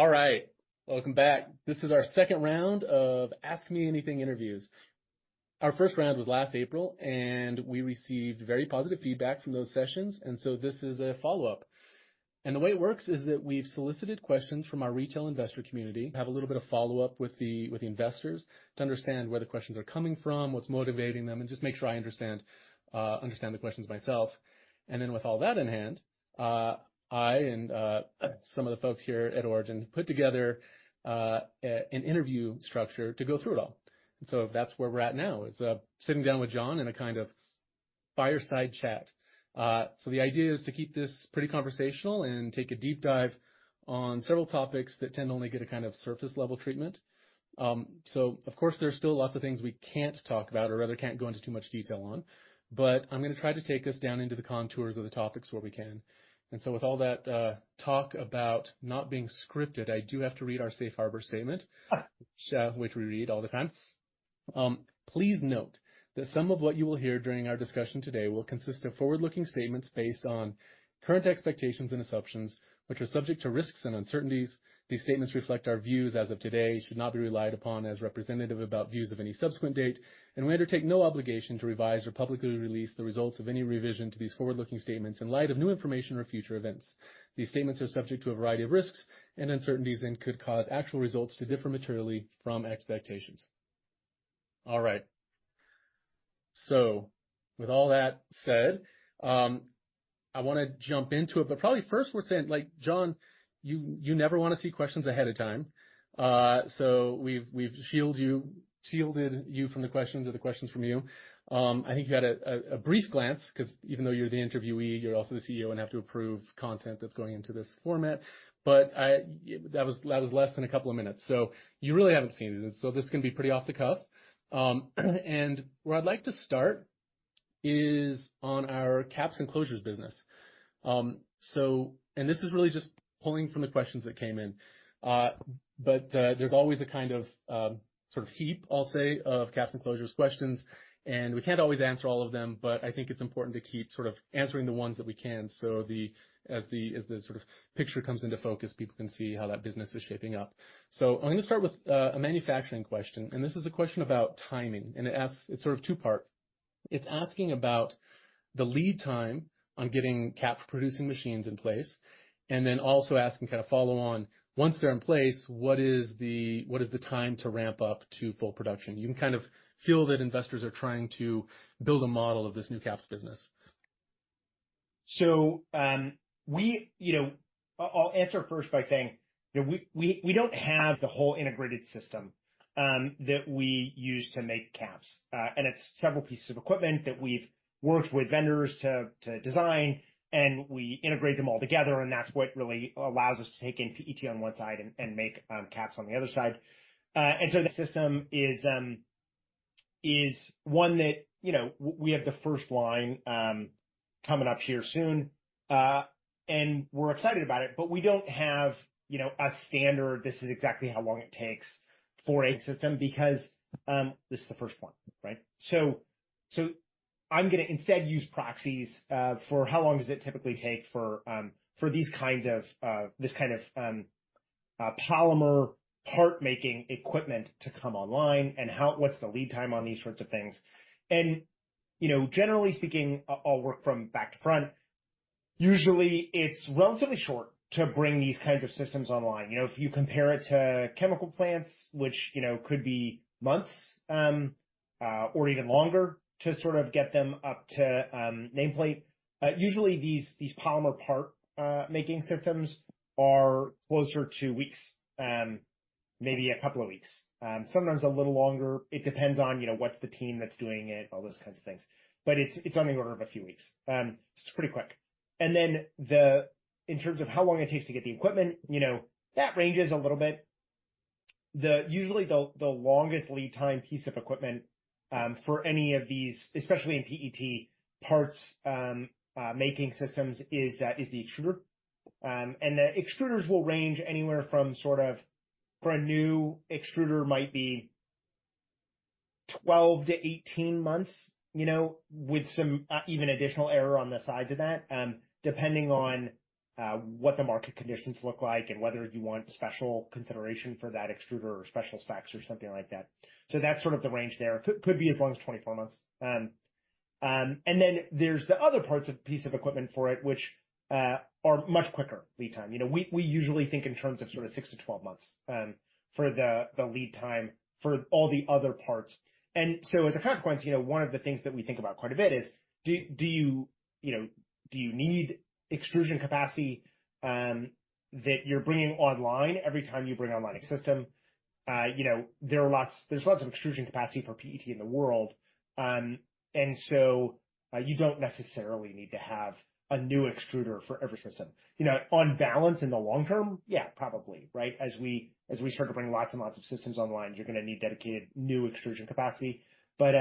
All right, welcome back. This is our second round of Ask Me Anything interviews. Our first round was last April, and we received very positive feedback from those sessions. And so this is a follow-up. And the way it works is that we've solicited questions from our retail investor community, have a little bit of follow-up with the investors to understand where the questions are coming from, what's motivating them, and just make sure I understand the questions myself. And then with all that in hand, I and some of the folks here at Origin put together an interview structure to go through it all. And so that's where we're at now, is sitting down with John in a kind of fireside chat. So the idea is to keep this pretty conversational and take a deep dive on several topics that tend to only get a kind of surface-level treatment. Of course, there's still lots of things we can't talk about or rather can't go into too much detail on. But I'm going to try to take us down into the contours of the topics where we can. With all that talk about not being scripted, I do have to read our Safe Harbor Statement, which we read all the time. Please note that some of what you will hear during our discussion today will consist of forward-looking statements based on current expectations and assumptions, which are subject to risks and uncertainties. These statements reflect our views as of today. Should not be relied upon as representative of views of any subsequent date. We undertake no obligation to revise or publicly release the results of any revision to these forward-looking statements in light of new information or future events. These statements are subject to a variety of risks and uncertainties and could cause actual results to differ materially from expectations. All right. So with all that said, I want to jump into it. But probably first, we're saying, like John, you never want to see questions ahead of time. So we've shielded you from the questions or the questions from you. I think you had a brief glance because even though you're the interviewee, you're also the CEO and have to approve content that's going into this format. But that was less than a couple of minutes. So you really haven't seen it. And so this can be pretty off the cuff. And where I'd like to start is on our Caps and Closures business. And this is really just pulling from the questions that came in. But there's always a kind of sort of heap, I'll say, of Caps and Closures questions. And we can't always answer all of them, but I think it's important to keep sort of answering the ones that we can. So as the sort of picture comes into focus, people can see how that business is shaping up. So I'm going to start with a manufacturing question. And this is a question about timing. And it's sort of two-part. It's asking about the lead time on getting cap-producing machines in place, and then also asking kind of follow-on, once they're in place, what is the time to ramp up to full production? You can kind of feel that investors are trying to build a model of this new caps business. So I'll answer first by saying we don't have the whole integrated system that we use to make caps. And it's several pieces of equipment that we've worked with vendors to design, and we integrate them all together. And that's what really allows us to take in PET on one side and make caps on the other side. And so that system is one that we have the first line coming up here soon. And we're excited about it, but we don't have a standard, "This is exactly how long it takes for a system," because this is the first one, right? So I'm going to instead use proxies for how long does it typically take for these kinds of this kind of polymer part-making equipment to come online and what's the lead time on these sorts of things. And generally speaking, I'll work from back to front. Usually, it's relatively short to bring these kinds of systems online. If you compare it to chemical plants, which could be months or even longer to sort of get them up to nameplate, usually these polymer part-making systems are closer to weeks, maybe a couple of weeks. Sometimes a little longer. It depends on what's the team that's doing it, all those kinds of things. But it's on the order of a few weeks. It's pretty quick. And then in terms of how long it takes to get the equipment, that ranges a little bit. Usually, the longest lead time piece of equipment for any of these, especially in PET parts-making systems, is the extruder. And the extruders will range anywhere from sort of for a new extruder might be 12 months-18 months with some even additional error on the side to that, depending on what the market conditions look like and whether you want special consideration for that extruder or special specs or something like that. So that's sort of the range there. It could be as long as 24 months. And then there's the other piece of equipment for it, which are much quicker lead time. We usually think in terms of sort of 6 months-12 months for the lead time for all the other parts. And so as a consequence, one of the things that we think about quite a bit is, do you need extrusion capacity that you're bringing online every time you bring online a system? There's lots of extrusion capacity for PET in the world. And so you don't necessarily need to have a new extruder for every system. On balance, in the long term, yeah, probably, right? As we start to bring lots and lots of systems online, you're going to need dedicated new extrusion capacity. But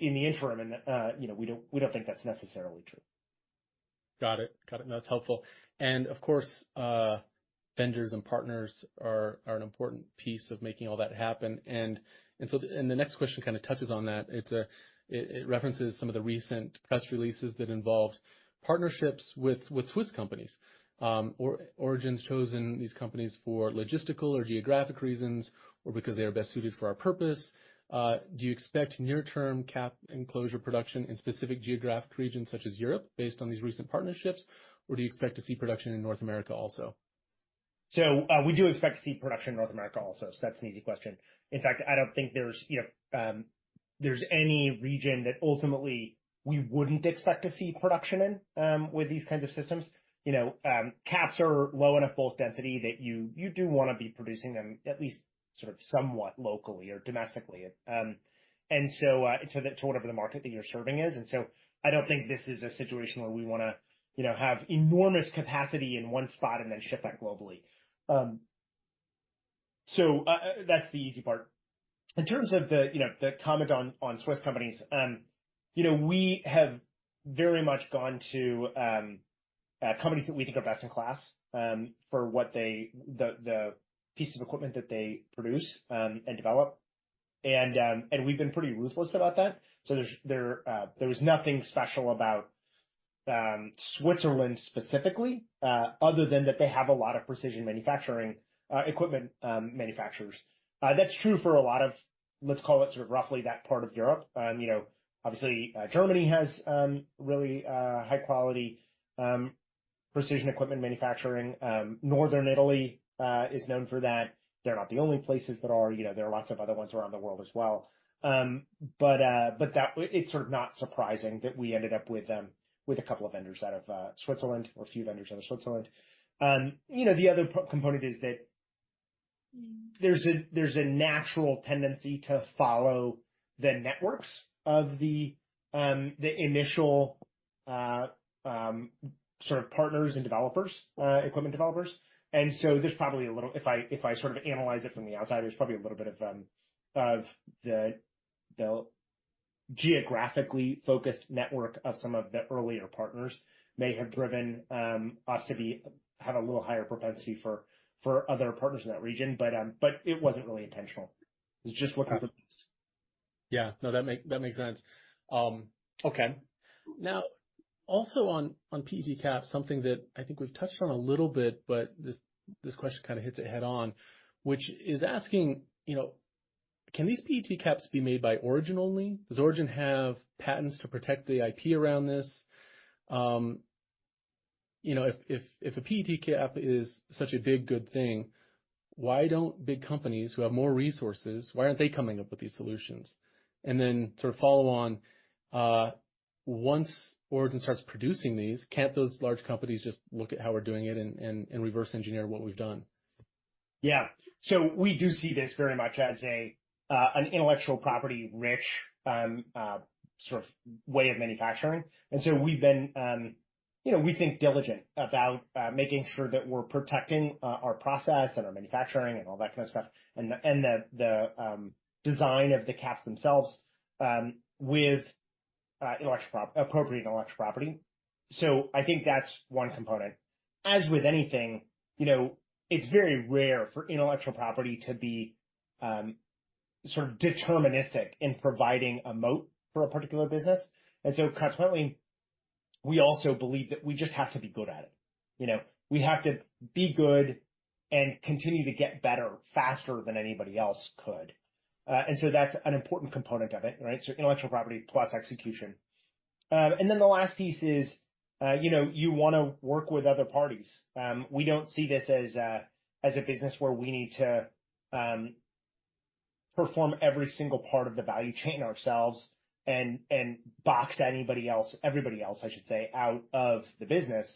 in the interim, we don't think that's necessarily true. Got it. Got it. That's helpful. And of course, vendors and partners are an important piece of making all that happen. And so the next question kind of touches on that. It references some of the recent press releases that involved partnerships with Swiss companies. Origin's chosen these companies for logistical or geographic reasons or because they are best suited for our purpose. Do you expect near-term cap and closure production in specific geographic regions such as Europe based on these recent partnerships, or do you expect to see production in North America also? So we do expect to see production in North America also. So that's an easy question. In fact, I don't think there's any region that ultimately we wouldn't expect to see production in with these kinds of systems. Caps are low enough bulk density that you do want to be producing them at least sort of somewhat locally or domestically to whatever the market that you're serving is. And so I don't think this is a situation where we want to have enormous capacity in one spot and then ship that globally. So that's the easy part. In terms of the comment on Swiss companies, we have very much gone to companies that we think are best in class for the piece of equipment that they produce and develop. And we've been pretty ruthless about that. So there was nothing special about Switzerland specifically other than that they have a lot of precision manufacturing equipment manufacturers. That's true for a lot of, let's call it sort of roughly that part of Europe. Obviously, Germany has really high-quality precision equipment manufacturing. Northern Italy is known for that. They're not the only places that are. There are lots of other ones around the world as well. But it's sort of not surprising that we ended up with a couple of vendors out of Switzerland or a few vendors out of Switzerland. The other component is that there's a natural tendency to follow the networks of the initial sort of partners and developers, equipment developers. If I sort of analyze it from the outside, there's probably a little bit of the geographically focused network of some of the earlier partners may have driven us to have a little higher propensity for other partners in that region. But it wasn't really intentional. It was just looking for the best. Yeah. No, that makes sense. Okay. Now, also on PET caps, something that I think we've touched on a little bit, but this question kind of hits it head-on, which is asking, can these PET caps be made by Origin only? Does Origin have patents to protect the IP around this? If a PET cap is such a big good thing, why don't big companies who have more resources, why aren't they coming up with these solutions? And then sort of follow on, once Origin starts producing these, can't those large companies just look at how we're doing it and reverse engineer what we've done? Yeah, so we do see this very much as an intellectual property-rich sort of way of manufacturing. And so we think diligently about making sure that we're protecting our process and our manufacturing and all that kind of stuff and the design of the caps themselves with appropriate intellectual property. So I think that's one component. As with anything, it's very rare for intellectual property to be sort of deterministic in providing a moat for a particular business. And so consequently, we also believe that we just have to be good at it. We have to be good and continue to get better faster than anybody else could. And so that's an important component of it, right? So intellectual property plus execution. And then the last piece is you want to work with other parties. We don't see this as a business where we need to perform every single part of the value chain ourselves and box everybody else, I should say, out of the business.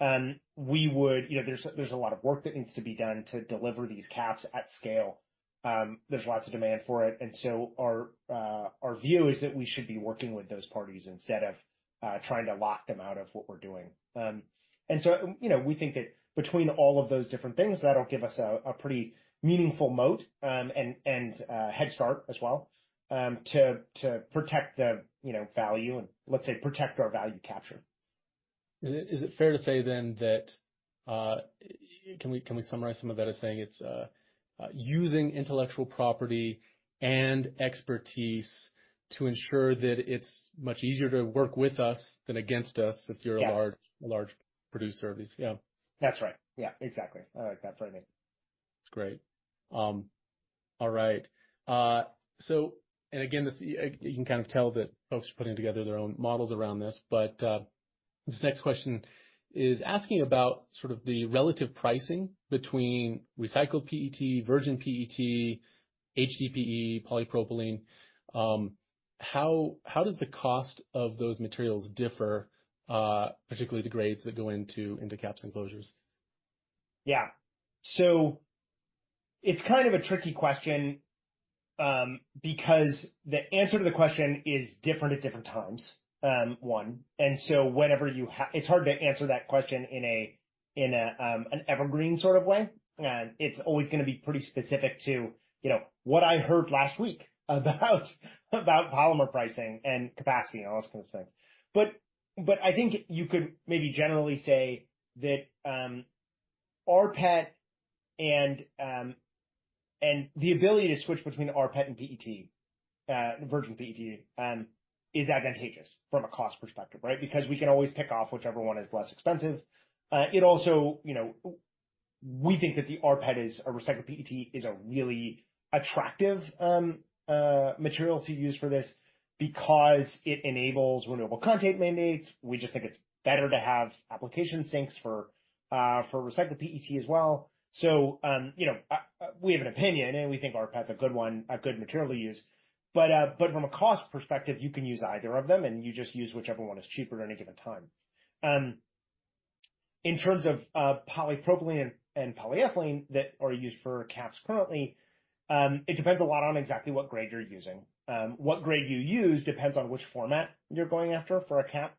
There's a lot of work that needs to be done to deliver these caps at scale. There's lots of demand for it. And so our view is that we should be working with those parties instead of trying to lock them out of what we're doing. And so we think that between all of those different things, that'll give us a pretty meaningful moat and head start as well to protect the value and, let's say, protect our value capture. Is it fair to say then that can we summarize some of that as saying it's using intellectual property and expertise to ensure that it's much easier to work with us than against us if you're a large producer of these? Yeah. That's right. Yeah. Exactly. I like that phrasing. Great. All right. And again, you can kind of tell that folks are putting together their own models around this. But this next question is asking about sort of the relative pricing between recycled PET, virgin PET, HDPE, polypropylene. How does the cost of those materials differ, particularly the grades that go into Caps and Closures? Yeah. So it's kind of a tricky question because the answer to the question is different at different times. And so whenever you have, it's hard to answer that question in an evergreen sort of way. It's always going to be pretty specific to what I heard last week about polymer pricing and capacity and all those kinds of things. But I think you could maybe generally say that rPET and the ability to switch between rPET and PET, virgin PET, is advantageous from a cost perspective, right? Because we can always pick off whichever one is less expensive. We think that the rPET is a recycled PET is a really attractive material to use for this because it enables renewable content mandates. We just think it's better to have application sinks for recycled PET as well. So we have an opinion, and we think rPET's a good one, a good material to use. But from a cost perspective, you can use either of them, and you just use whichever one is cheaper at any given time. In terms of polypropylene and polyethylene that are used for caps currently, it depends a lot on exactly what grade you're using. What grade you use depends on which format you're going after for a cap.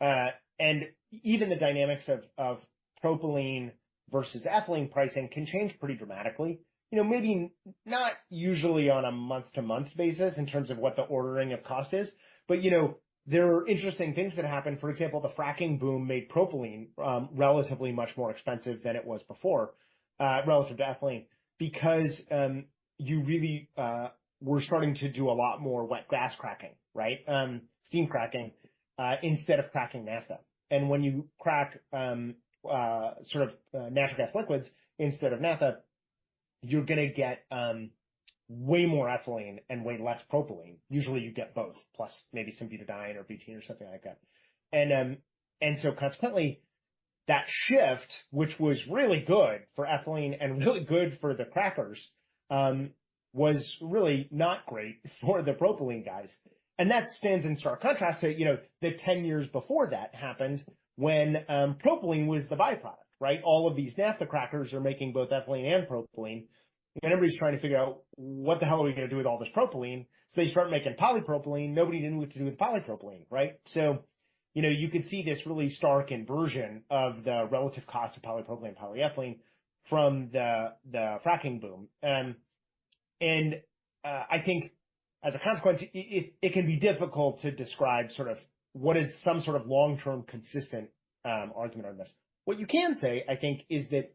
And even the dynamics of propylene versus ethylene pricing can change pretty dramatically. Maybe not usually on a month-to-month basis in terms of what the ordering of cost is. But there are interesting things that happen. For example, the fracking boom made propylene relatively much more expensive than it was before, relative to ethylene, because you really were starting to do a lot more wet gas cracking, right? Steam cracking instead of cracking naphtha. And when you crack sort of natural gas liquids instead of naphtha, you're going to get way more ethylene and way less propylene. Usually, you get both plus maybe some butadiene or butane or something like that. And so consequently, that shift, which was really good for ethylene and really good for the crackers, was really not great for the propylene guys. And that stands in stark contrast to the 10 years before that happened when propylene was the byproduct, right? All of these naphtha crackers are making both ethylene and propylene. And everybody's trying to figure out what the hell are we going to do with all this propylene? So they start making polypropylene. Nobody knew what to do with polypropylene, right? So you could see this really stark inversion of the relative cost of polypropylene and polyethylene from the fracking boom. I think as a consequence, it can be difficult to describe sort of what is some sort of long-term consistent argument on this. What you can say, I think, is that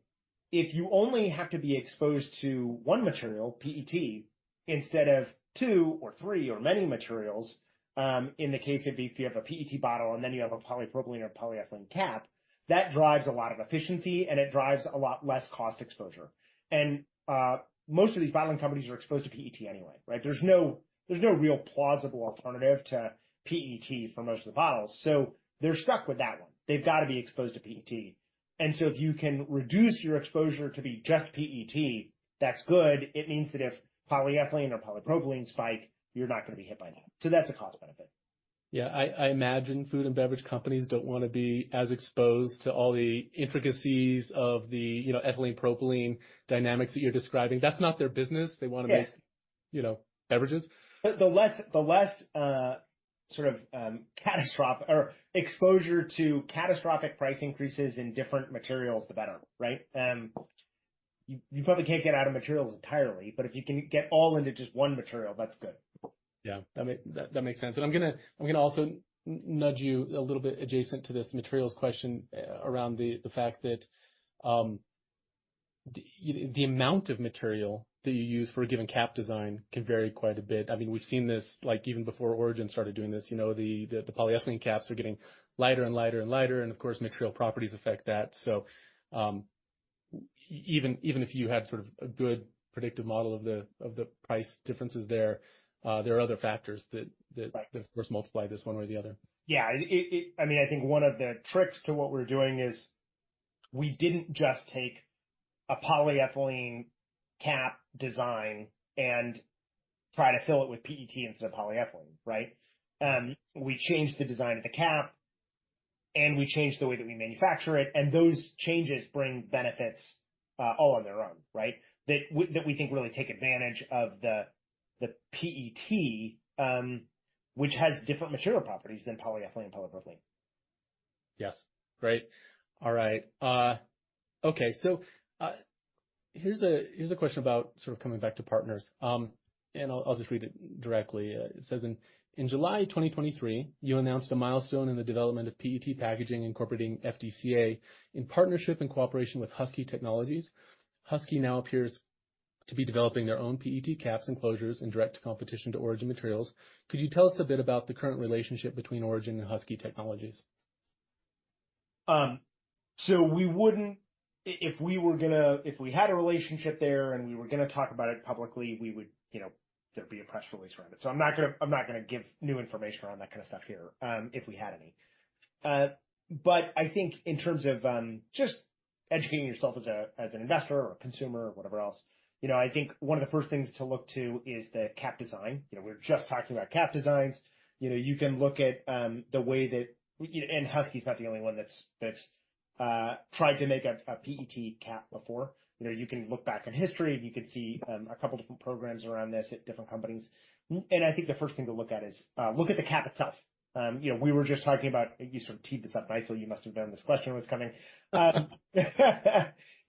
if you only have to be exposed to one material, PET, instead of two or three or many materials, in the case of if you have a PET bottle and then you have a polypropylene or polyethylene cap, that drives a lot of efficiency, and it drives a lot less cost exposure. Most of these bottling companies are exposed to PET anyway, right? There's no real plausible alternative to PET for most of the bottles. So they're stuck with that one. They've got to be exposed to PET. If you can reduce your exposure to be just PET, that's good. It means that if polyethylene or polypropylene spike, you're not going to be hit by that. So that's a cost benefit. Yeah. I imagine food and beverage companies don't want to be as exposed to all the intricacies of the ethylene-propylene dynamics that you're describing. That's not their business. They want to make beverages. The less sort of exposure to catastrophic price increases in different materials, the better, right? You probably can't get out of materials entirely, but if you can get all into just one material, that's good. Yeah. That makes sense. And I'm going to also nudge you a little bit adjacent to this materials question around the fact that the amount of material that you use for a given cap design can vary quite a bit. I mean, we've seen this even before Origin started doing this. The polyethylene caps are getting lighter and lighter and lighter. And of course, material properties affect that. So even if you had sort of a good predictive model of the price differences there, there are other factors that, of course, multiply this one way or the other. Yeah. I mean, I think one of the tricks to what we're doing is we didn't just take a polyethylene cap design and try to fill it with PET instead of polyethylene, right? We changed the design of the cap, and we changed the way that we manufacture it. And those changes bring benefits all on their own, right? That we think really take advantage of the PET, which has different material properties than polyethylene and polypropylene. Yes. Great. All right. Okay. So here's a question about sort of coming back to partners. And I'll just read it directly. It says, "In July 2023, you announced a milestone in the development of PET packaging incorporating FDCA in partnership and cooperation with Husky Technologies. Husky now appears to be developing their own PET Caps and Closures in direct competition to Origin Materials. Could you tell us a bit about the current relationship between Origin and Husky Technologies? So if we had a relationship there and we were going to talk about it publicly, there'd be a press release around it. So I'm not going to give new information around that kind of stuff here if we had any. But I think in terms of just educating yourself as an investor or a consumer or whatever else, I think one of the first things to look to is the cap design. We were just talking about cap designs. You can look at the way that Husky's not the only one that's tried to make a PET cap before. You can look back in history, and you can see a couple of different programs around this at different companies. And I think the first thing to look at is the cap itself. We were just talking about you sort of teed this up nicely. You must have known this question was coming.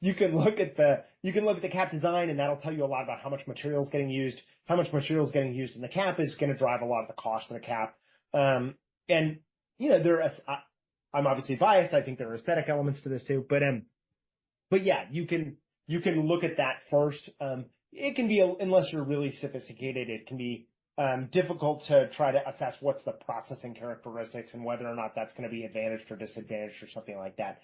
You can look at the cap design, and that'll tell you a lot about how much material is getting used in the cap is going to drive a lot of the cost of the cap. And I'm obviously biased. I think there are aesthetic elements to this too. But yeah, you can look at that first. Unless you're really sophisticated, it can be difficult to try to assess what's the processing characteristics and whether or not that's going to be advantaged or disadvantaged or something like that.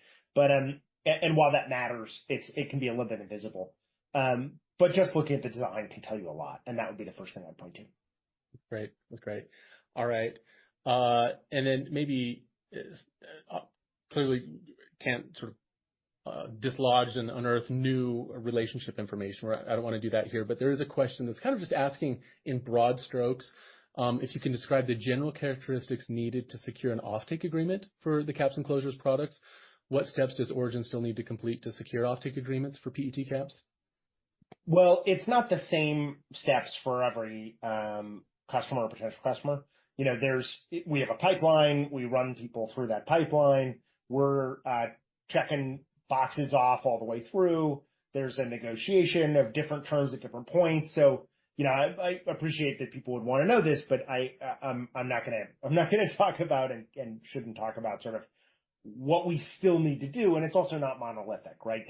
And while that matters, it can be a little bit invisible. But just looking at the design can tell you a lot. That would be the first thing I'd point to. Great. That's great. All right. And then maybe clearly can't sort of dislodge and unearth new relationship information. I don't want to do that here. But there is a question that's kind of just asking in broad strokes, if you can describe the general characteristics needed to secure an offtake agreement for the Caps and Closures products, what steps does Origin still need to complete to secure offtake agreements for PET caps? It's not the same steps for every customer or potential customer. We have a pipeline. We run people through that pipeline. We're checking boxes off all the way through. There's a negotiation of different terms at different points. So I appreciate that people would want to know this, but I'm not going to talk about and shouldn't talk about sort of what we still need to do. And it's also not monolithic, right?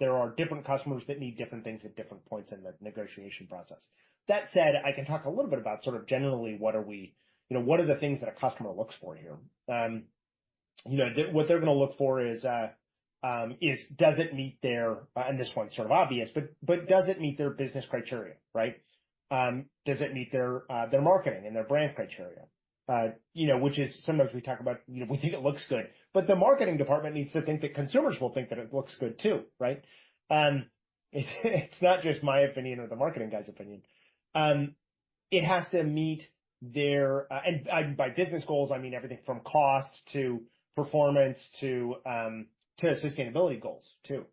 There are different customers that need different things at different points in the negotiation process. That said, I can talk a little bit about sort of generally what are the things that a customer looks for here? What they're going to look for is, does it meet their, and this one's sort of obvious, but does it meet their business criteria, right? Does it meet their marketing and their brand criteria? Which is, sometimes we talk about we think it looks good. But the marketing department needs to think that consumers will think that it looks good too, right? It's not just my opinion or the marketing guy's opinion. It has to meet their and by business goals, I mean everything from cost to performance to sustainability goals too.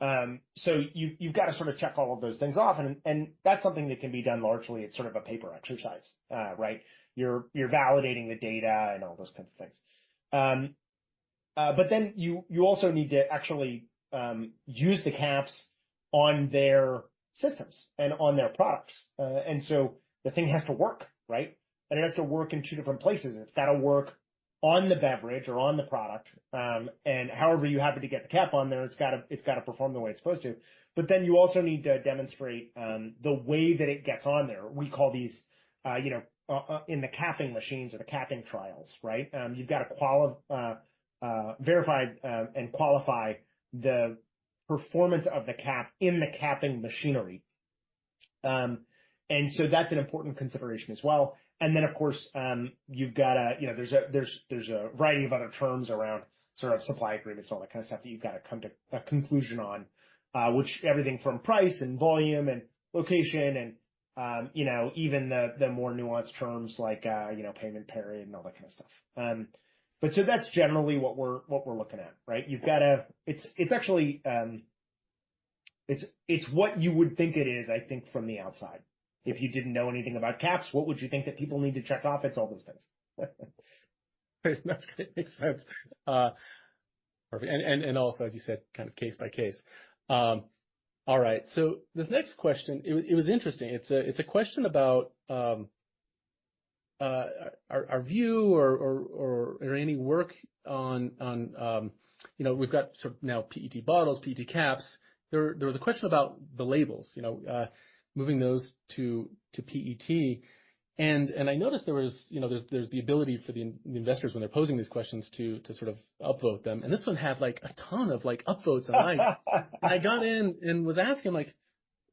So you've got to sort of check all of those things off. And that's something that can be done largely. It's sort of a paper exercise, right? You're validating the data and all those kinds of things. But then you also need to actually use the caps on their systems and on their products. And so the thing has to work, right? And it has to work in two different places. It's got to work on the beverage or on the product. However you happen to get the cap on there, it's got to perform the way it's supposed to. But then you also need to demonstrate the way that it gets on there. We call these in the capping machines or the capping trials, right? You've got to verify and qualify the performance of the cap in the capping machinery. And so that's an important consideration as well. And then, of course, you've got to. There's a variety of other terms around sort of supply agreements, all that kind of stuff that you've got to come to a conclusion on, which everything from price and volume and location and even the more nuanced terms like payment period and all that kind of stuff. But so that's generally what we're looking at, right? It's actually what you would think it is, I think, from the outside. If you didn't know anything about caps, what would you think that people need to check off? It's all those things. That's great. Makes sense. Perfect. And also, as you said, kind of case by case. All right. So this next question, it was interesting. It's a question about our view or any work on we've got sort of now PET bottles, PET caps. There was a question about the labels, moving those to PET. And I noticed there's the ability for the investors, when they're posing these questions, to sort of upvote them. And this one had a ton of upvotes online. I got in and was asking,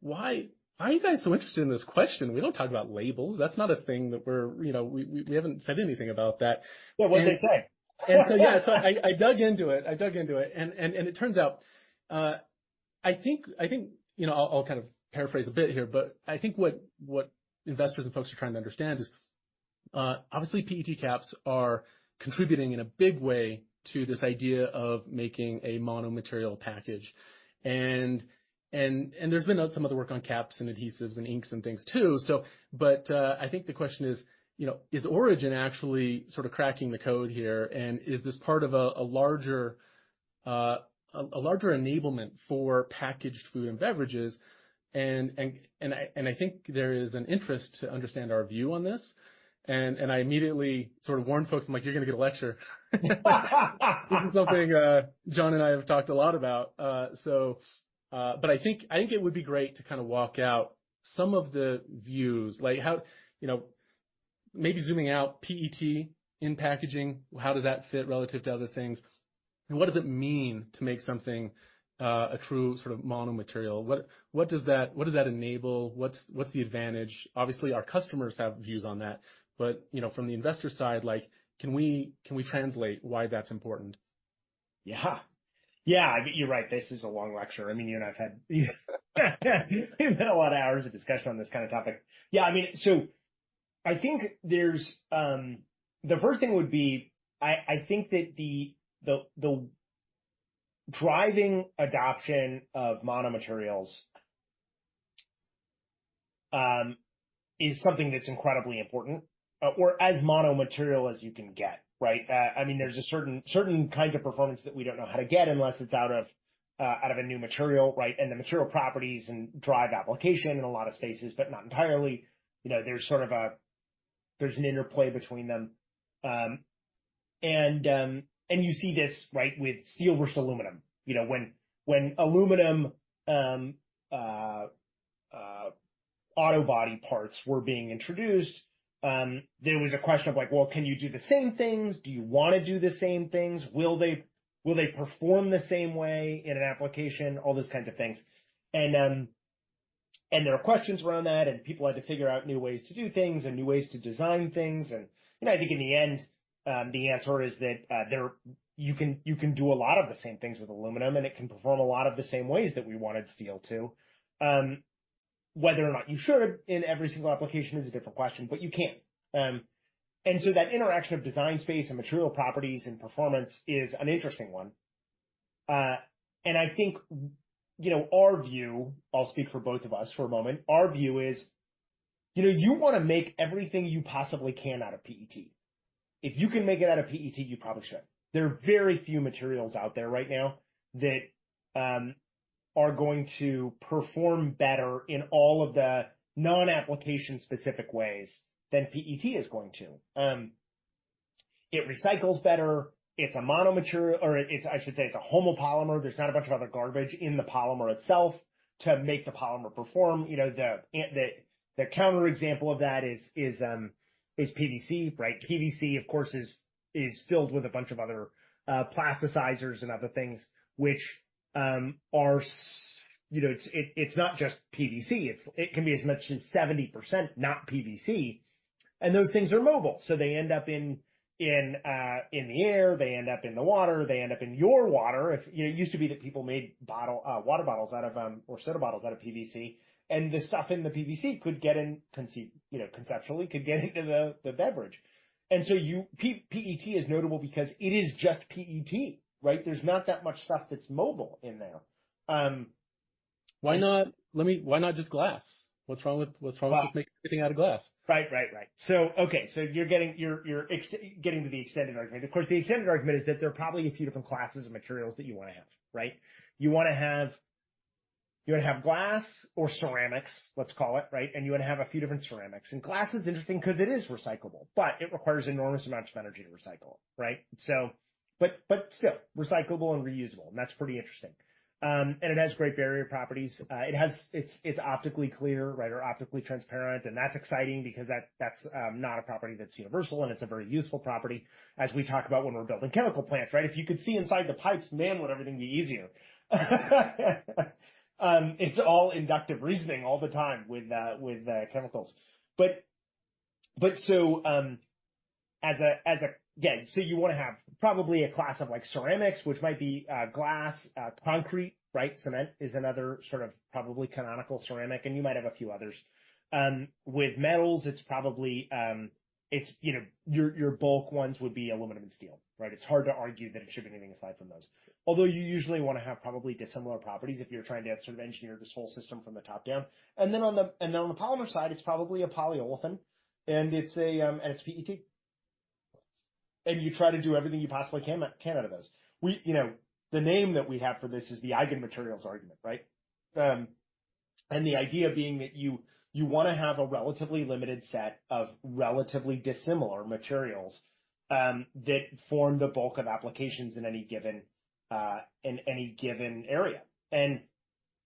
"Why are you guys so interested in this question? We don't talk about labels. That's not a thing that we haven't said anything about that. Yeah, what did they say? And so, yeah. So I dug into it. I dug into it. And it turns out, I think I'll kind of paraphrase a bit here, but I think what investors and folks are trying to understand is obviously PET caps are contributing in a big way to this idea of making a monomaterial package. And there's been some of the work on caps and adhesives and inks and things too. But I think the question is, is Origin actually sort of cracking the code here? And is this part of a larger enablement for packaged food and beverages? And I think there is an interest to understand our view on this. And I immediately sort of warned folks. I'm like, "You're going to get a lecture." This is something John and I have talked a lot about. But I think it would be great to kind of walk out some of the views, maybe zooming out PET in packaging, how does that fit relative to other things? And what does it mean to make something a true sort of monomaterial? What does that enable? What's the advantage? Obviously, our customers have views on that. But from the investor side, can we translate why that's important? Yeah. Yeah. You're right. This is a long lecture. I mean, you and I've had a lot of hours of discussion on this kind of topic. Yeah. I mean, so I think there's the first thing would be I think that the driving adoption of monomaterials is something that's incredibly important or as monomaterial as you can get, right? I mean, there's a certain kinds of performance that we don't know how to get unless it's out of a new material, right? And the material properties and drive application in a lot of spaces, but not entirely. There's sort of an interplay between them. And you see this, right, with steel versus aluminum. When aluminum auto body parts were being introduced, there was a question of like, "Well, can you do the same things? Do you want to do the same things? Will they perform the same way in an application?" All those kinds of things. And there are questions around that. And people had to figure out new ways to do things and new ways to design things. And I think in the end, the answer is that you can do a lot of the same things with aluminum, and it can perform a lot of the same ways that we wanted steel to. Whether or not you should in every single application is a different question, but you can. And so that interaction of design space and material properties and performance is an interesting one. And I think our view, I'll speak for both of us for a moment, our view is you want to make everything you possibly can out of PET. If you can make it out of PET, you probably should. There are very few materials out there right now that are going to perform better in all of the non-application specific ways than PET is going to. It recycles better. It's a monomaterial or I should say it's a homopolymer. There's not a bunch of other garbage in the polymer itself to make the polymer perform. The counter example of that is PVC, right? PVC, of course, is filled with a bunch of other plasticizers and other things, which are it's not just PVC. It can be as much as 70% not PVC. And those things are mobile. So they end up in the air. They end up in the water. They end up in your water. It used to be that people made water bottles out of or soda bottles out of PVC. And the stuff in the PVC could get in conceptually could get into the beverage. PET is notable because it is just PET, right? There's not that much stuff that's mobile in there. Why not just glass? What's wrong with just making everything out of glass? Right, right, right. So okay. So you're getting to the extended argument. Of course, the extended argument is that there are probably a few different classes of materials that you want to have, right? You want to have glass or ceramics, let's call it, right? And you want to have a few different ceramics. And glass is interesting because it is recyclable, but it requires an enormous amount of energy to recycle, right? But still, recyclable and reusable. And that's pretty interesting. And it has great barrier properties. It's optically clear, right, or optically transparent. And that's exciting because that's not a property that's universal. And it's a very useful property, as we talk about when we're building chemical plants, right? If you could see inside the pipes, man, would everything be easier. It's all inductive reasoning all the time with chemicals. You want to have probably a class of ceramics, which might be glass, concrete, right? Cement is another sort of probably canonical ceramic. And you might have a few others. With metals, it's probably your bulk ones would be aluminum and steel, right? It's hard to argue that it should be anything aside from those. Although you usually want to have probably dissimilar properties if you're trying to sort of engineer this whole system from the top down. And then on the polymer side, it's probably a polyolefin. And it's PET. And you try to do everything you possibly can out of those. The name that we have for this is the eigenmaterials argument, right? And the idea being that you want to have a relatively limited set of relatively dissimilar materials that form the bulk of applications in any given area. And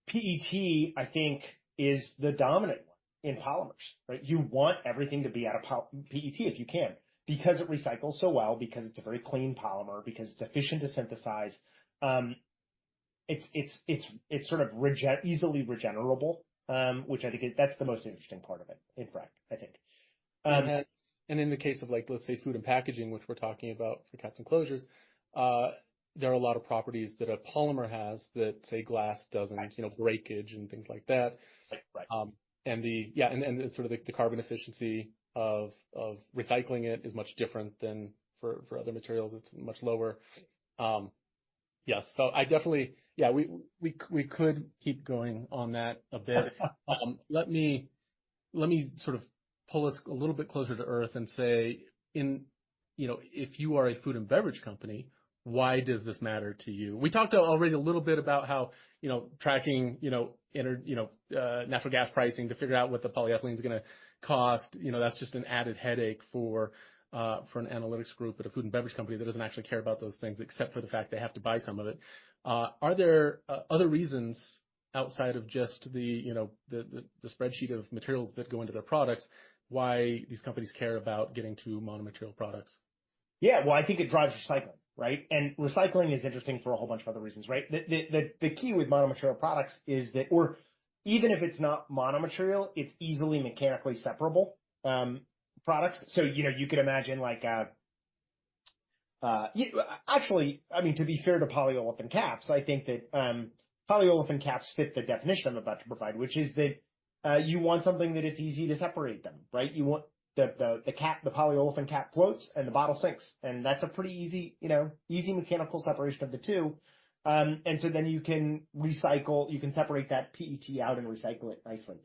PET, I think, is the dominant one in polymers, right? You want everything to be out of PET if you can because it recycles so well, because it's a very clean polymer, because it's efficient to synthesize. It's sort of easily regenerable, which I think that's the most interesting part of it, in fact, I think. In the case of, let's say, food and packaging, which we're talking about for Caps and Closures, there are a lot of properties that a polymer has that, say, glass doesn't, breakage and things like that. Yeah, and sort of the carbon efficiency of recycling it is much different than for other materials. It's much lower. Yes. So I definitely, yeah, we could keep going on that a bit. Let me sort of pull us a little bit closer to earth and say, if you are a food and beverage company, why does this matter to you? We talked already a little bit about how tracking natural gas pricing to figure out what the polyethylene is going to cost. That's just an added headache for an analytics group at a food and beverage company that doesn't actually care about those things except for the fact they have to buy some of it. Are there other reasons outside of just the spreadsheet of materials that go into their products why these companies care about getting to monomaterial products? Yeah. Well, I think it drives recycling, right? And recycling is interesting for a whole bunch of other reasons, right? The key with monomaterial products is that, or even if it's not monomaterial, it's easily mechanically separable products. So you could imagine actually, I mean, to be fair to polyolefin caps, I think that polyolefin caps fit the definition I'm about to provide, which is that you want something that it's easy to separate them, right? The polyolefin cap floats and the bottle sinks. And that's a pretty easy mechanical separation of the two. And so then you can recycle, you can separate that PET out and recycle it nicely.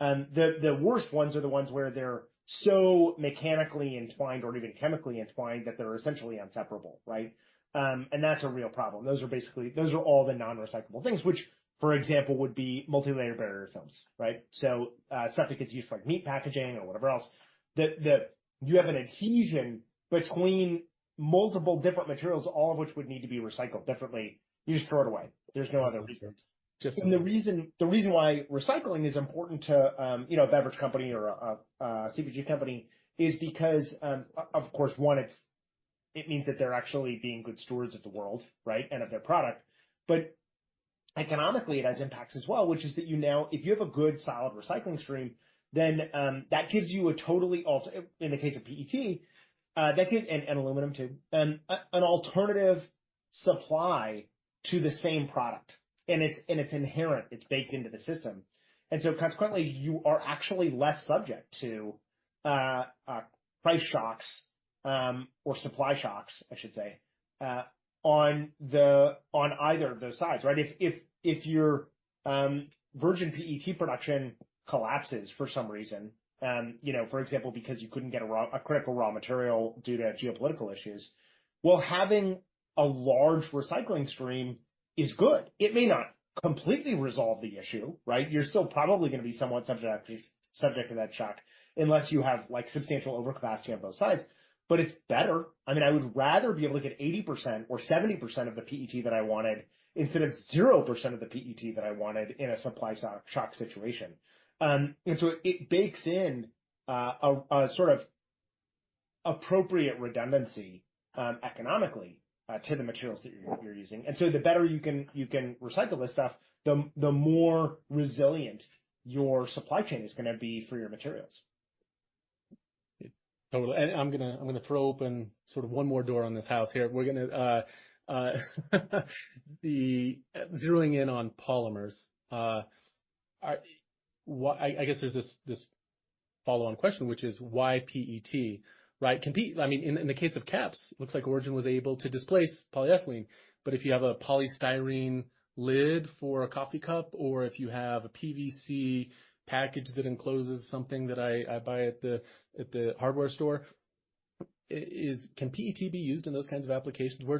The worst ones are the ones where they're so mechanically entwined or even chemically entwined that they're essentially inseparable, right? And that's a real problem. Those are all the non-recyclable things, which, for example, would be multi-layer barrier films, right? So stuff that gets used for meat packaging or whatever else. You have an adhesion between multiple different materials, all of which would need to be recycled differently. You just throw it away. There's no other reason. And the reason why recycling is important to a beverage company or a CPG company is because, of course, one, it means that they're actually being good stewards of the world, right, and of their product. But economically, it has impacts as well, which is that if you have a good solid recycling stream, then that gives you a totally in the case of PET and aluminum too, an alternative supply to the same product. And it's inherent. It's baked into the system. And so consequently, you are actually less subject to price shocks or supply shocks, I should say, on either of those sides, right? If your virgin PET production collapses for some reason, for example, because you couldn't get a critical raw material due to geopolitical issues, well, having a large recycling stream is good. It may not completely resolve the issue, right? You're still probably going to be somewhat subject to that shock unless you have substantial overcapacity on both sides. But it's better. I mean, I would rather be able to get 80% or 70% of the PET that I wanted instead of 0% of the PET that I wanted in a supply shock situation. And so it bakes in a sort of appropriate redundancy economically to the materials that you're using. And so the better you can recycle this stuff, the more resilient your supply chain is going to be for your materials. Totally. And I'm going to throw open sort of one more door on this house here. We're going to be zeroing in on polymers. I guess there's this follow-on question, which is why PET, right? I mean, in the case of caps, it looks like Origin was able to displace polyethylene. But if you have a polystyrene lid for a coffee cup, or if you have a PVC package that encloses something that I buy at the hardware store, can PET be used in those kinds of applications? Where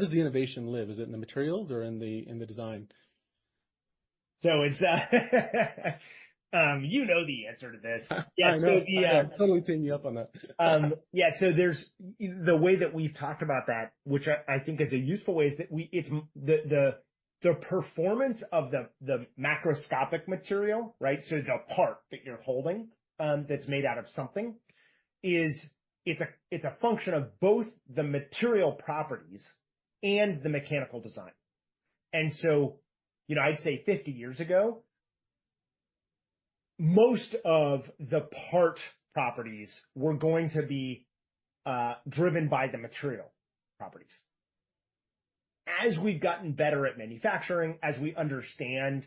does the innovation live? Is it in the materials or in the design? You know the answer to this. I know. I'm totally taking you up on that. Yeah. So the way that we've talked about that, which I think is a useful way, is that the performance of the macroscopic material, right? So the part that you're holding that's made out of something is. It's a function of both the material properties and the mechanical design. And so I'd say 50 years ago, most of the part properties were going to be driven by the material properties. As we've gotten better at manufacturing, as we understand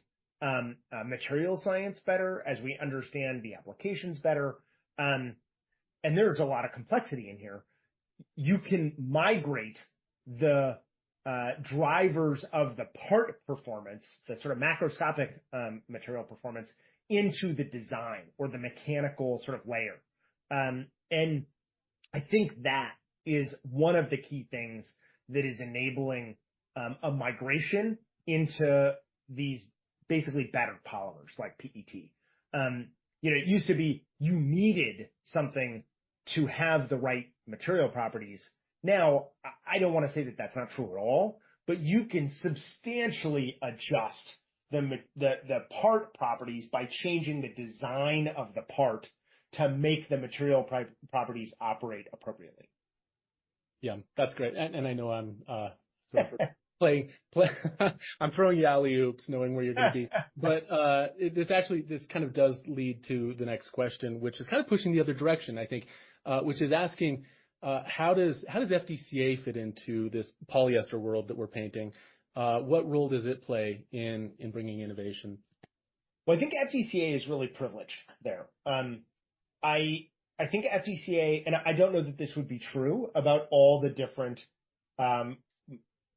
material science better, as we understand the applications better, and there's a lot of complexity in here, you can migrate the drivers of the part performance, the sort of macroscopic material performance into the design or the mechanical sort of layer. And I think that is one of the key things that is enabling a migration into these basically better polymers like PET. It used to be you needed something to have the right material properties. Now, I don't want to say that that's not true at all, but you can substantially adjust the part properties by changing the design of the part to make the material properties operate appropriately. Yeah. That's great. And I know I'm throwing you alley-oops knowing where you're going to be. But this actually kind of does lead to the next question, which is kind of pushing the other direction, I think, which is asking, how does FDCA fit into this polyester world that we're painting? What role does it play in bringing innovation? I think FDCA is really privileged there. I think FDCA, and I don't know that this would be true about all the different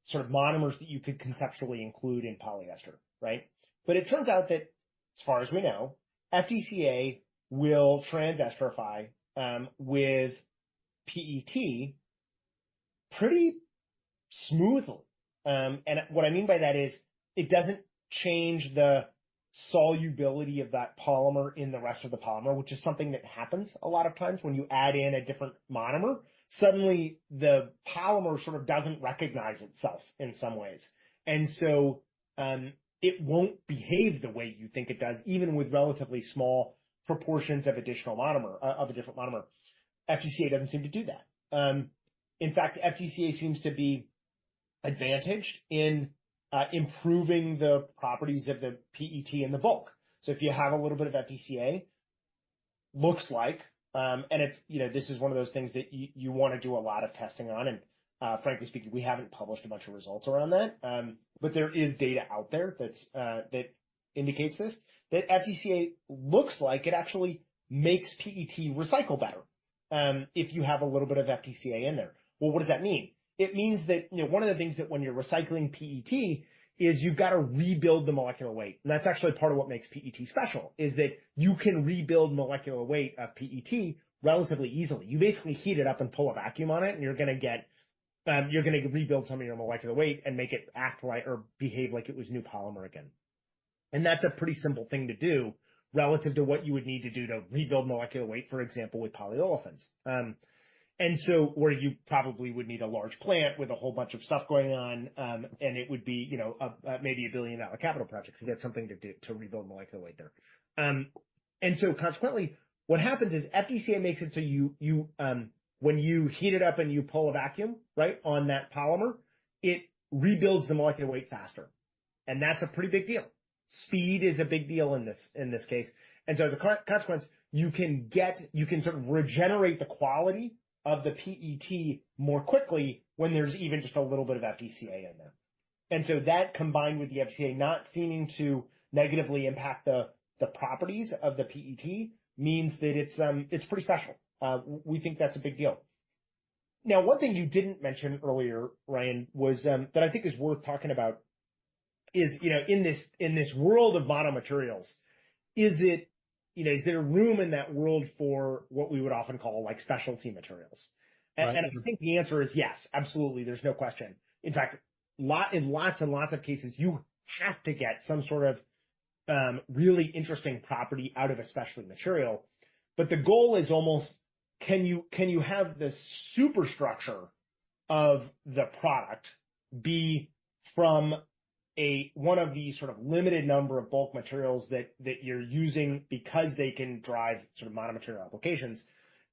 sort of monomers that you could conceptually include in polyester, right? But it turns out that, as far as we know, FDCA will transesterify with PET pretty smoothly. And what I mean by that is it doesn't change the solubility of that polymer in the rest of the polymer, which is something that happens a lot of times when you add in a different monomer. Suddenly, the polymer sort of doesn't recognize itself in some ways. And so it won't behave the way you think it does, even with relatively small proportions of a different monomer. FDCA doesn't seem to do that. In fact, FDCA seems to be advantaged in improving the properties of the PET in the bulk. So if you have a little bit of FDCA, looks like, and this is one of those things that you want to do a lot of testing on. And frankly speaking, we haven't published a bunch of results around that. But there is data out there that indicates this, that FDCA looks like it actually makes PET recycle better if you have a little bit of FDCA in there. Well, what does that mean? It means that one of the things that when you're recycling PET is you've got to rebuild the molecular weight. And that's actually part of what makes PET special, is that you can rebuild molecular weight of PET relatively easily. You basically heat it up and pull a vacuum on it, and you're going to rebuild some of your molecular weight and make it act like or behave like it was new polymer again. That's a pretty simple thing to do relative to what you would need to do to rebuild molecular weight, for example, with polyolefins. So where you probably would need a large plant with a whole bunch of stuff going on, and it would be maybe a $1 billion capital project to get something to do to rebuild molecular weight there. Consequently, what happens is FDCA makes it so when you heat it up and you pull a vacuum, right, on that polymer, it rebuilds the molecular weight faster. That's a pretty big deal. Speed is a big deal in this case. And so as a consequence, you can sort of regenerate the quality of the PET more quickly when there's even just a little bit of FDCA in there. And so that combined with the FDCA not seeming to negatively impact the properties of the PET means that it's pretty special. We think that's a big deal. Now, one thing you didn't mention earlier, Ryan, that I think is worth talking about is in this world of monomaterials, is there room in that world for what we would often call specialty materials? And I think the answer is yes, absolutely. There's no question. In fact, in lots and lots of cases, you have to get some sort of really interesting property out of a specialty material. But the goal is almost, can you have the superstructure of the product be from one of the sort of limited number of bulk materials that you're using because they can drive sort of monomaterial applications,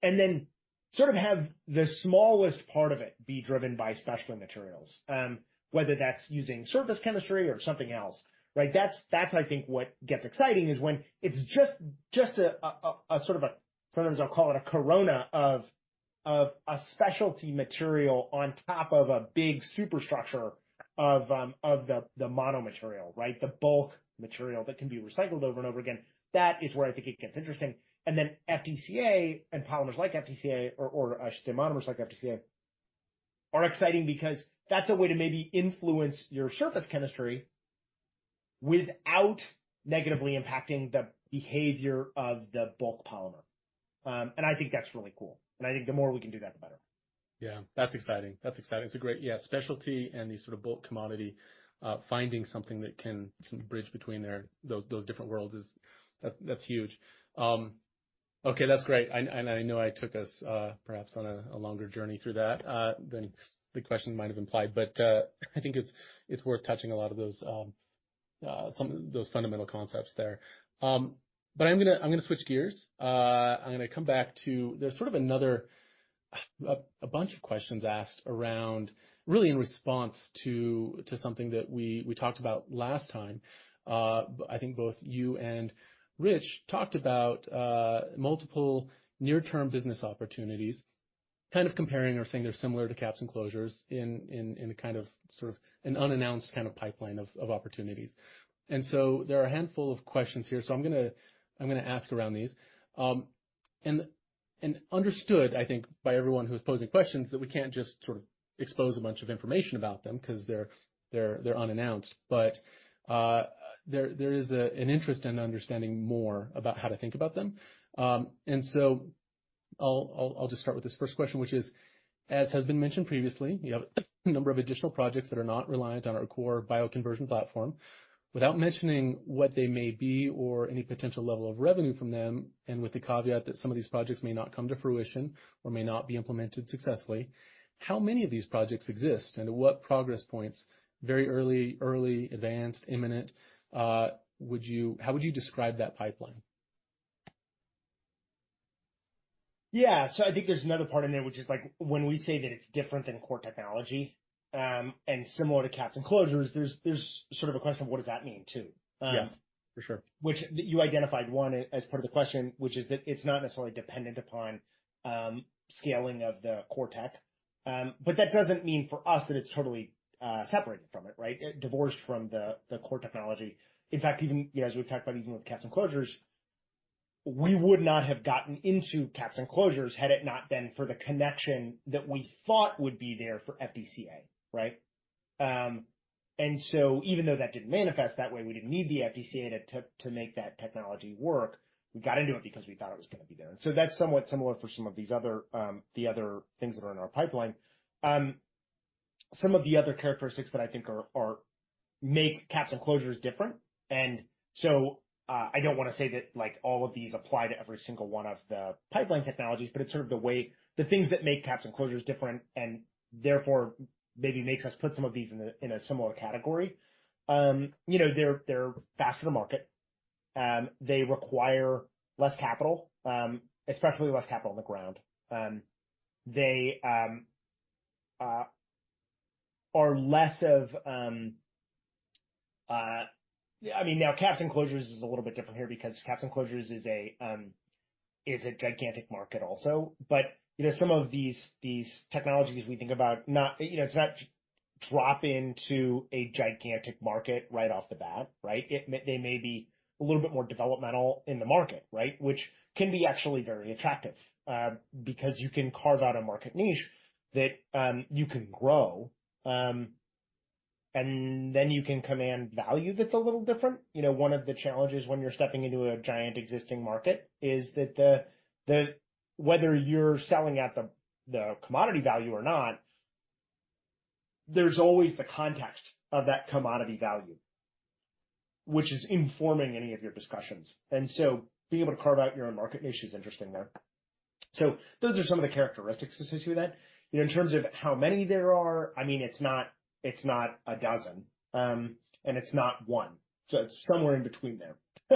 and then sort of have the smallest part of it be driven by specialty materials, whether that's using surface chemistry or something else, right? That's, I think, what gets exciting is when it's just a sort of a, sometimes I'll call it a corona of a specialty material on top of a big superstructure of the monomaterial, right? The bulk material that can be recycled over and over again, that is where I think it gets interesting. And then FDCA and polymers like FDCA or, I should say, monomers like FDCA are exciting because that's a way to maybe influence your surface chemistry without negatively impacting the behavior of the bulk polymer. And I think that's really cool. And I think the more we can do that, the better. Yeah. That's exciting. That's exciting. It's a great, yeah, specialty and the sort of bulk commodity. Finding something that can bridge between those different worlds is. That's huge. Okay. That's great. And I know I took us perhaps on a longer journey through that than the question might have implied. But I think it's worth touching a lot of those fundamental concepts there. But I'm going to switch gears. I'm going to come back to. There's sort of a bunch of questions asked around really in response to something that we talked about last time. I think both you and Rich talked about multiple near-term business opportunities, kind of comparing or saying they're similar to Caps and Closures in kind of sort of an unannounced kind of pipeline of opportunities. And so there are a handful of questions here. So I'm going to ask around these. And, understood, I think, by everyone who is posing questions that we can't just sort of expose a bunch of information about them because they're unannounced. But there is an interest and understanding more about how to think about them. And so I'll just start with this first question, which is, as has been mentioned previously, you have a number of additional projects that are not reliant on our core bioconversion platform. Without mentioning what they may be or any potential level of revenue from them, and with the caveat that some of these projects may not come to fruition or may not be implemented successfully, how many of these projects exist and what progress points, very early, early, advanced, imminent, how would you describe that pipeline? Yeah. So I think there's another part in there, which is when we say that it's different than core technology and similar to Caps and Closures, there's sort of a question of what does that mean too. Yes, for sure. Which you identified one as part of the question, which is that it's not necessarily dependent upon scaling of the core tech. But that doesn't mean for us that it's totally separated from it, right? Divorced from the core technology. In fact, as we've talked about even with Caps and Closures, we would not have gotten into Caps and Closures had it not been for the connection that we thought would be there for FDCA, right? And so even though that didn't manifest that way, we didn't need the FDCA to make that technology work. We got into it because we thought it was going to be there. And so that's somewhat similar for some of the other things that are in our pipeline. Some of the other characteristics that I think make Caps and Closures different. And so I don't want to say that all of these apply to every single one of the pipeline technologies, but it's sort of the way the things that make Caps and Closures different and therefore maybe makes us put some of these in a similar category. They're faster to market. They require less capital, especially less capital on the ground. They are less of, I mean, now Caps and Closures is a little bit different here because Caps and Closures is a gigantic market also. But some of these technologies we think about, it's not drop into a gigantic market right off the bat, right? They may be a little bit more developmental in the market, right? Which can be actually very attractive because you can carve out a market niche that you can grow. And then you can command value that's a little different. One of the challenges when you're stepping into a giant existing market is that whether you're selling at the commodity value or not, there's always the context of that commodity value, which is informing any of your discussions, and so being able to carve out your own market niche is interesting there, so those are some of the characteristics associated with that. In terms of how many there are, I mean, it's not a dozen, and it's not one, so it's somewhere in between there,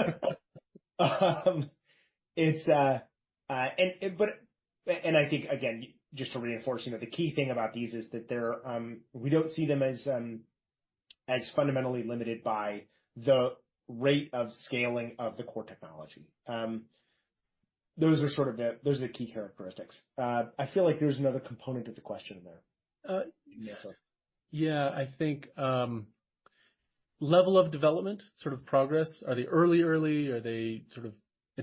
and I think, again, just to reinforce, the key thing about these is that we don't see them as fundamentally limited by the rate of scaling of the core technology. Those are sort of the key characteristics. I feel like there's another component of the question there. Yeah. I think level of development, sort of progress, are they early, early? Are they sort of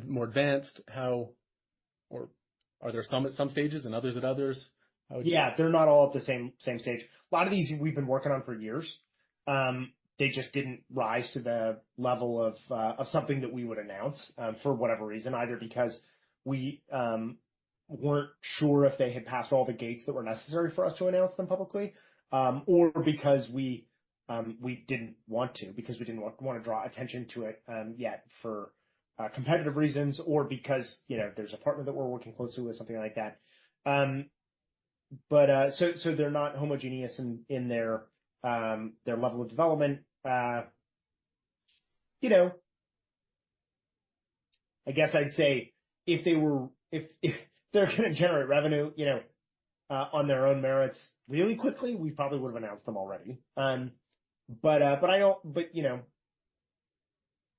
more advanced? Or are there some at some stages and others at others? Yeah. They're not all at the same stage. A lot of these we've been working on for years. They just didn't rise to the level of something that we would announce for whatever reason, either because we weren't sure if they had passed all the gates that were necessary for us to announce them publicly, or because we didn't want to, because we didn't want to draw attention to it yet for competitive reasons, or because there's a partner that we're working closely with, something like that. So they're not homogeneous in their level of development. I guess I'd say if they're going to generate revenue on their own merits really quickly, we probably would have announced them already. But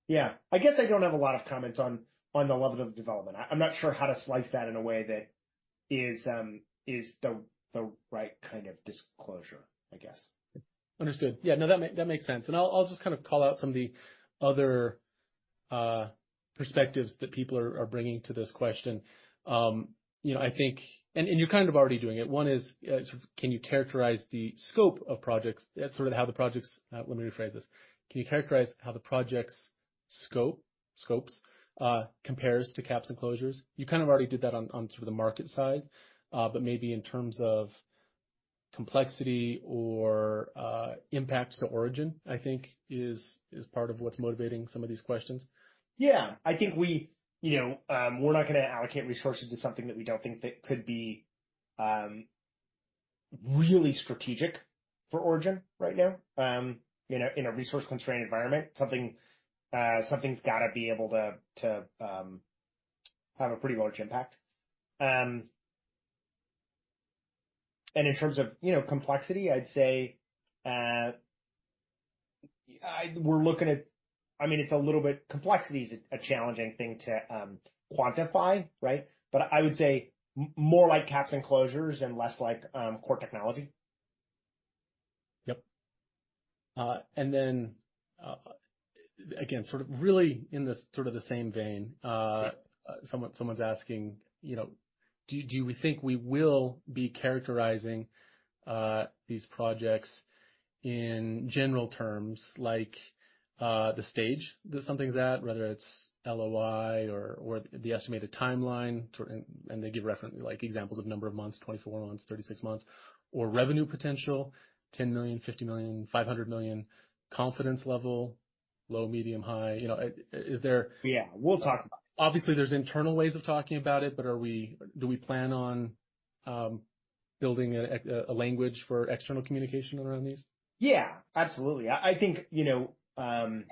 yeah, I guess I don't have a lot of comments on the level of development. I'm not sure how to slice that in a way that is the right kind of disclosure, I guess. Understood. Yeah. No, that makes sense. And I'll just kind of call out some of the other perspectives that people are bringing to this question. And you're kind of already doing it. One is, can you characterize the scope of projects? That's sort of how the projects let me rephrase this. Can you characterize how the project's scopes compare to Caps and Closures? You kind of already did that on sort of the market side, but maybe in terms of complexity or impact to Origin, I think, is part of what's motivating some of these questions. Yeah. I think we're not going to allocate resources to something that we don't think that could be really strategic for Origin right now. In a resource-constrained environment, something's got to be able to have a pretty large impact. And in terms of complexity, I'd say we're looking at, I mean, it's a little bit complexity is a challenging thing to quantify, right? But I would say more like Caps and Closures and less like Core Technology. Yep. And then, again, sort of really in sort of the same vein, someone's asking, do you think we will be characterizing these projects in general terms like the stage that something's at, whether it's LOI or the estimated timeline? And they give examples of number of months, 24 months, 36 months, or revenue potential, $10 million, $50 million, $500 million, confidence level, low, medium, high. Is there? Yeah. We'll talk about it. Obviously, there's internal ways of talking about it, but do we plan on building a language for external communication around these? Yeah. Absolutely. I think when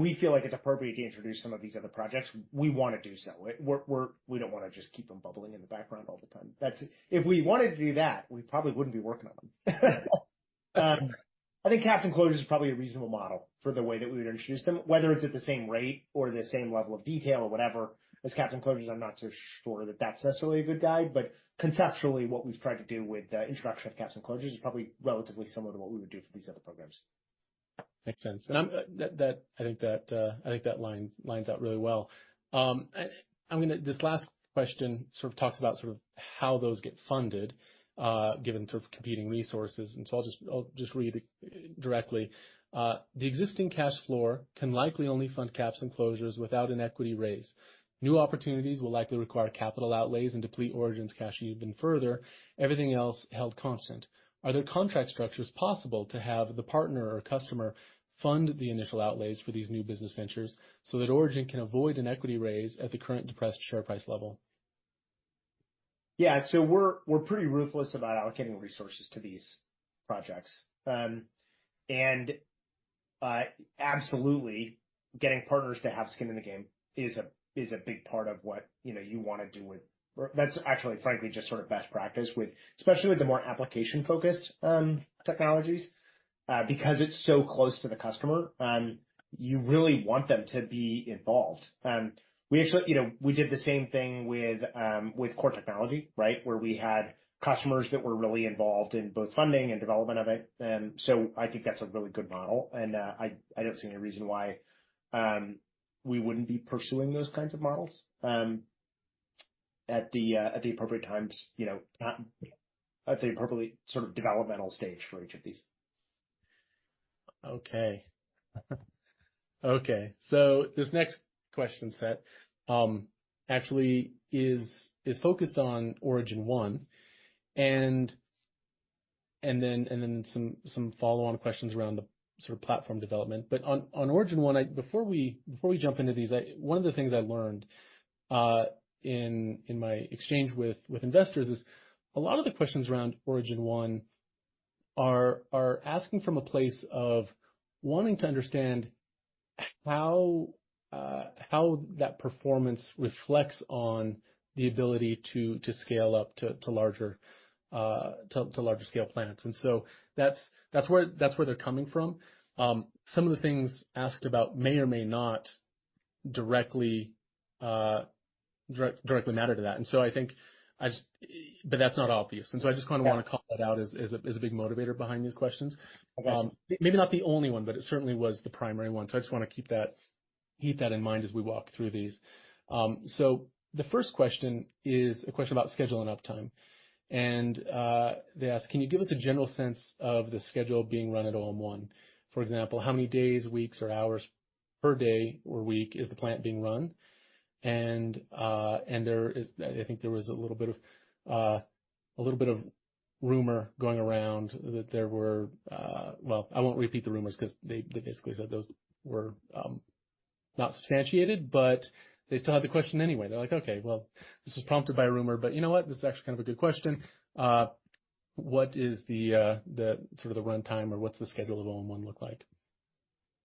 we feel like it's appropriate to introduce some of these other projects, we want to do so. We don't want to just keep them bubbling in the background all the time. If we wanted to do that, we probably wouldn't be working on them. I think Caps and Closures is probably a reasonable model for the way that we would introduce them, whether it's at the same rate or the same level of detail or whatever. As Caps and Closures, I'm not so sure that that's necessarily a good guide, but conceptually, what we've tried to do with the introduction of Caps and Closures is probably relatively similar to what we would do for these other programs. Makes sense. And I think that lines out really well. This last question sort of talks about sort of how those get funded given sort of competing resources. And so I'll just read directly. The existing cash flow can likely only fund Caps and Closures without an equity raise. New opportunities will likely require capital outlays and deplete Origin's cash even further. Everything else held constant. Are there contract structures possible to have the partner or customer fund the initial outlays for these new business ventures so that Origin can avoid an equity raise at the current depressed share price level? Yeah. So we're pretty ruthless about allocating resources to these projects. And absolutely, getting partners to have skin in the game is a big part of what you want to do with. That's actually, frankly, just sort of best practice, especially with the more application-focused technologies because it's so close to the customer. You really want them to be involved. We did the same thing with core technology, right, where we had customers that were really involved in both funding and development of it. So I think that's a really good model. And I don't see any reason why we wouldn't be pursuing those kinds of models at the appropriate times, at the appropriate sort of developmental stage for each of these. Okay. Okay. So this next question set actually is focused on Origin 1. And then some follow-on questions around the sort of platform development. But on Origin 1, before we jump into these, one of the things I learned in my exchange with investors is a lot of the questions around Origin 1 are asking from a place of wanting to understand how that performance reflects on the ability to scale up to larger scale plants. And so that's where they're coming from. Some of the things asked about may or may not directly matter to that. And so I think, but that's not obvious. And so I just kind of want to call that out as a big motivator behind these questions. Maybe not the only one, but it certainly was the primary one. So I just want to keep that in mind as we walk through these. The first question is a question about schedule and uptime. And they ask, can you give us a general sense of the schedule being run at OM1? For example, how many days, weeks, or hours per day or week is the plant being run? And I think there was a little bit of rumor going around that there were. Well, I won't repeat the rumors because they basically said those were not substantiated, but they still had the question anyway. They're like, "Okay. Well, this was prompted by a rumor. But you know what? This is actually kind of a good question. What is the sort of the runtime or what's the schedule of OM1 look like?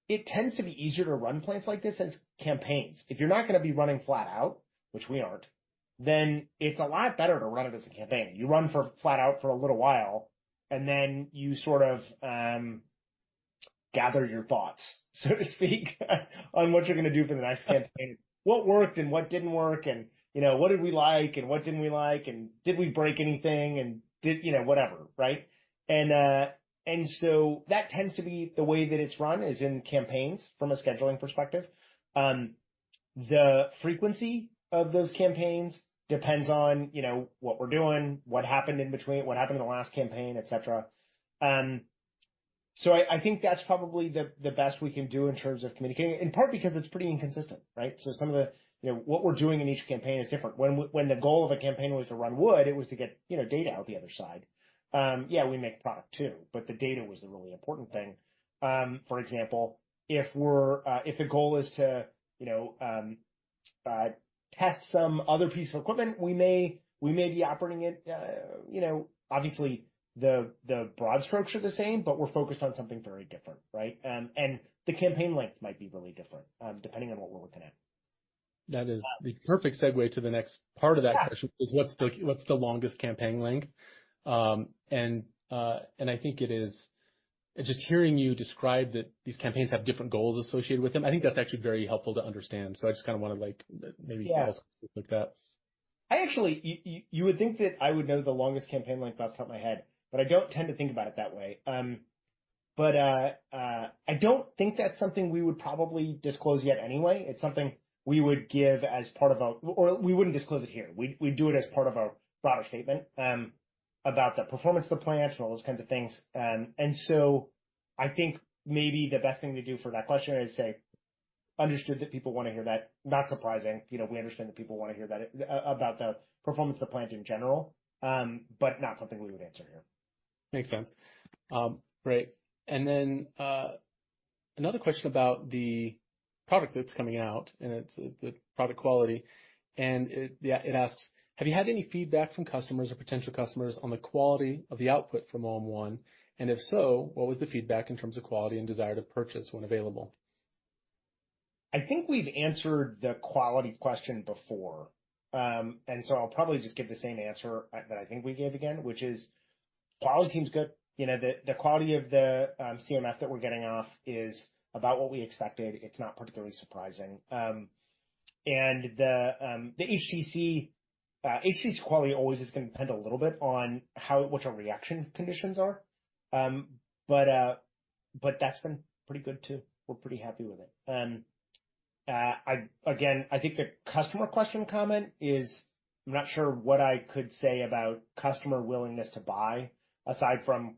It tends to be easier to run plants like this as campaigns. If you're not going to be running flat out, which we aren't, then it's a lot better to run it as a campaign. You run flat out for a little while, and then you sort of gather your thoughts, so to speak, on what you're going to do for the next campaign. What worked and what didn't work, and what did we like, and what didn't we like, and did we break anything, and whatever, right? And so that tends to be the way that it's run is in campaigns from a scheduling perspective. The frequency of those campaigns depends on what we're doing, what happened in between, what happened in the last campaign, etc. So I think that's probably the best we can do in terms of communicating, in part because it's pretty inconsistent, right? So some of the - what we're doing in each campaign is different. When the goal of a campaign was to run wood, it was to get data out the other side. Yeah, we make product too, but the data was the really important thing. For example, if the goal is to test some other piece of equipment, we may be operating it. Obviously, the broad strokes are the same, but we're focused on something very different, right? And the campaign length might be really different depending on what we're looking at. That is the perfect segue to the next part of that question, which is what's the longest campaign length? And I think it is just hearing you describe that these campaigns have different goals associated with them. I think that's actually very helpful to understand. So I just kind of want to maybe also look at that. Actually, you would think that I would know the longest campaign length off the top of my head, but I don't tend to think about it that way. But I don't think that's something we would probably disclose yet anyway. It's something we would give as part of our, or we wouldn't disclose it here. We'd do it as part of our broader statement about the performance of the plant and all those kinds of things. And so I think maybe the best thing to do for that question is say, "Understood that people want to hear that." Not surprising. We understand that people want to hear that about the performance of the plant in general, but not something we would answer here. Makes sense. Great. And then another question about the product that's coming out and the product quality. And it asks, "Have you had any feedback from customers or potential customers on the quality of the output from OM1? And if so, what was the feedback in terms of quality and desire to purchase when available? I think we've answered the quality question before, and so I'll probably just give the same answer that I think we gave again, which is quality seems good. The quality of the CMF that we're getting off is about what we expected. It's not particularly surprising, and the HTC quality always is going to depend a little bit on which our reaction conditions are, but that's been pretty good too. We're pretty happy with it. Again, I think the customer question comment is, "I'm not sure what I could say about customer willingness to buy, aside from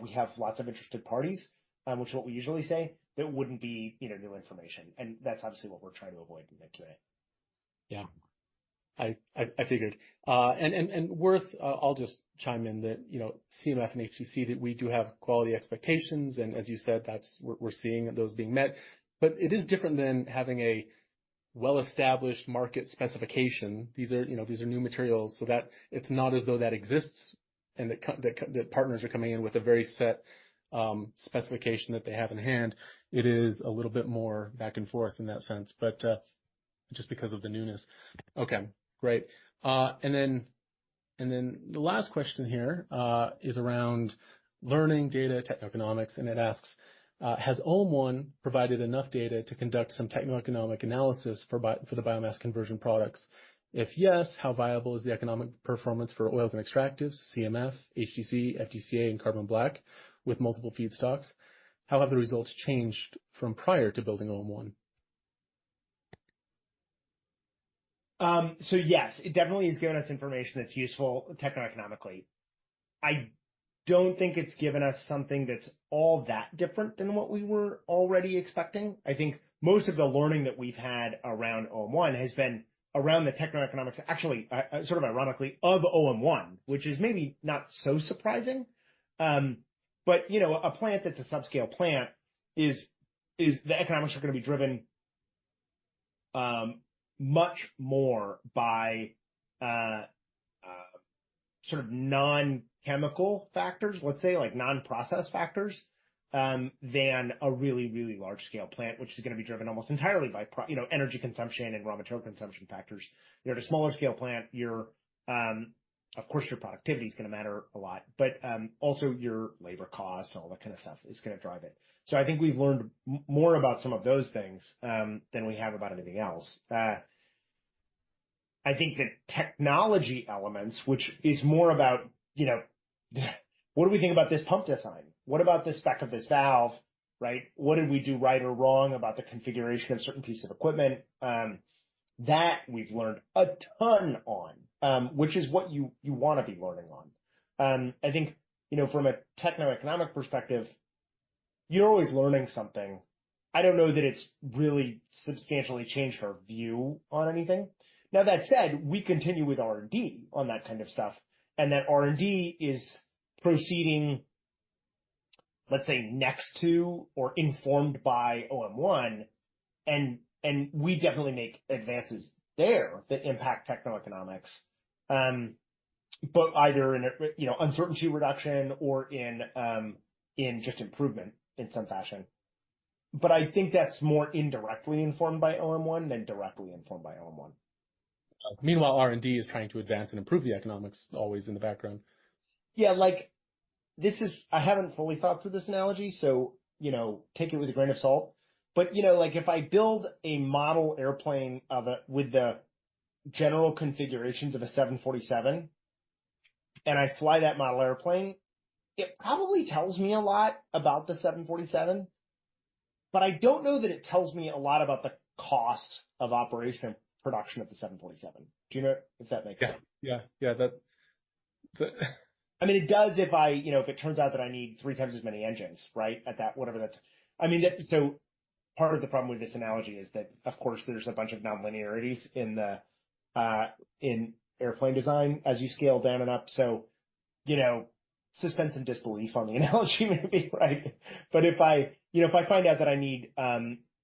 we have lots of interested parties," which is what we usually say, that wouldn't be new information, and that's obviously what we're trying to avoid in the Q&A. Yeah. I figured. And worth. I'll just chime in that CMF and HTC, that we do have quality expectations. And as you said, we're seeing those being met. But it is different than having a well-established market specification. These are new materials. So it's not as though that exists and that partners are coming in with a very set specification that they have in hand. It is a little bit more back and forth in that sense, but just because of the newness. Okay. Great. And then the last question here is around learning data techno-economics. And it asks, "Has OM1 provided enough data to conduct some techno-economic analysis for the biomass conversion products? If yes, how viable is the economic performance for oils and extractives, CMF, HTC, FDCA, and carbon black with multiple feedstocks? How have the results changed from prior to building OM1? So yes, it definitely has given us information that's useful techno-economically. I don't think it's given us something that's all that different than what we were already expecting. I think most of the learning that we've had around OM1 has been around the techno-economics, actually, sort of ironically, of OM1, which is maybe not so surprising. But a plant that's a subscale plant is the economics are going to be driven much more by sort of non-chemical factors, let's say, like non-process factors than a really, really large-scale plant, which is going to be driven almost entirely by energy consumption and raw material consumption factors. You're at a smaller-scale plant, of course, your productivity is going to matter a lot. But also, your labor cost and all that kind of stuff is going to drive it. So I think we've learned more about some of those things than we have about anything else. I think the technology elements, which is more about what do we think about this pump design? What about the spec of this valve, right? What did we do right or wrong about the configuration of a certain piece of equipment? That we've learned a ton on, which is what you want to be learning on. I think from a techno-economic perspective, you're always learning something. I don't know that it's really substantially changed our view on anything. Now, that said, we continue with R&D on that kind of stuff. And that R&D is proceeding, let's say, next to or informed by OM1. And we definitely make advances there that impact techno-economics, but either in uncertainty reduction or in just improvement in some fashion. But I think that's more indirectly informed by OM1 than directly informed by OM1. Meanwhile, R&D is trying to advance and improve the economics always in the background. Yeah. I haven't fully thought through this analogy, so take it with a grain of salt. But if I build a model airplane with the general configurations of a 747 and I fly that model airplane, it probably tells me a lot about the 747. But I don't know that it tells me a lot about the cost of operation and production of the 747. Do you know if that makes sense? Yeah. Yeah. Yeah. I mean, it does if it turns out that I need three times as many engines, right, at that whatever that's. I mean, so part of the problem with this analogy is that, of course, there's a bunch of non-linearities in airplane design as you scale down and up. So suspend disbelief on the analogy maybe, right? But if I find out that I need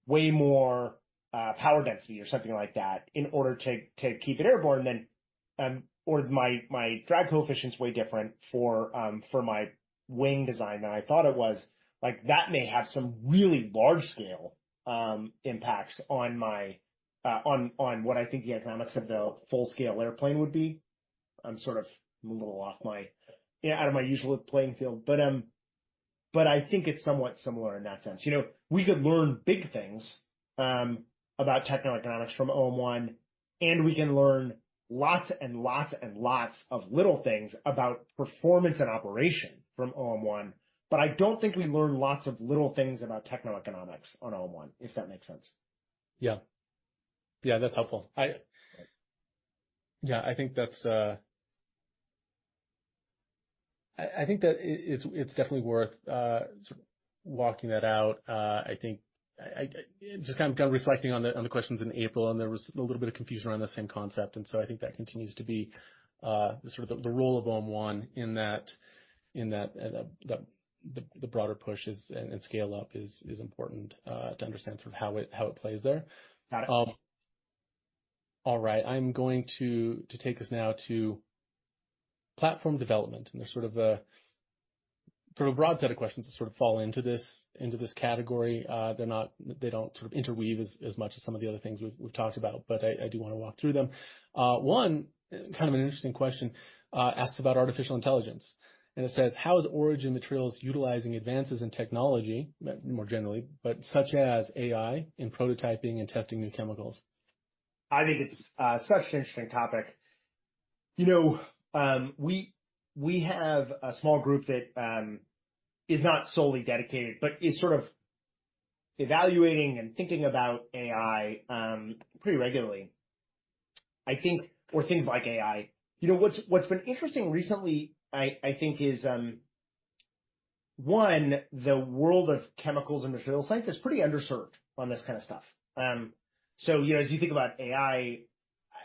way more power density or something like that in order to keep it airborne, then my drag coefficient's way different for my wing design than I thought it was, that may have some really large-scale impacts on what I think the economics of the full-scale airplane would be. I'm sort of a little out of my usual playing field. But I think it's somewhat similar in that sense. We could learn big things about techno-economics from OM1, and we can learn lots and lots and lots of little things about performance and operation from OM1. But I don't think we learn lots of little things about techno-economics on OM1, if that makes sense. Yeah. Yeah. That's helpful. Yeah. I think that it's definitely worth sort of walking that out. I think I'm just kind of reflecting on the questions in April, and there was a little bit of confusion around the same concept. And so I think that continues to be sort of the role of OM1 in that the broader push and scale-up is important to understand sort of how it plays there. Got it. All right. I'm going to take us now to platform development. And there's sort of a broad set of questions that sort of fall into this category. They don't sort of interweave as much as some of the other things we've talked about, but I do want to walk through them. One, kind of an interesting question asks about artificial intelligence. And it says, "How is Origin Materials utilizing advances in technology, more generally, but such as AI in prototyping and testing new chemicals? I think it's such an interesting topic. We have a small group that is not solely dedicated, but is sort of evaluating and thinking about AI pretty regularly. I think, or things like AI. What's been interesting recently, I think, is one, the world of chemicals and material science is pretty underserved on this kind of stuff. So as you think about AI,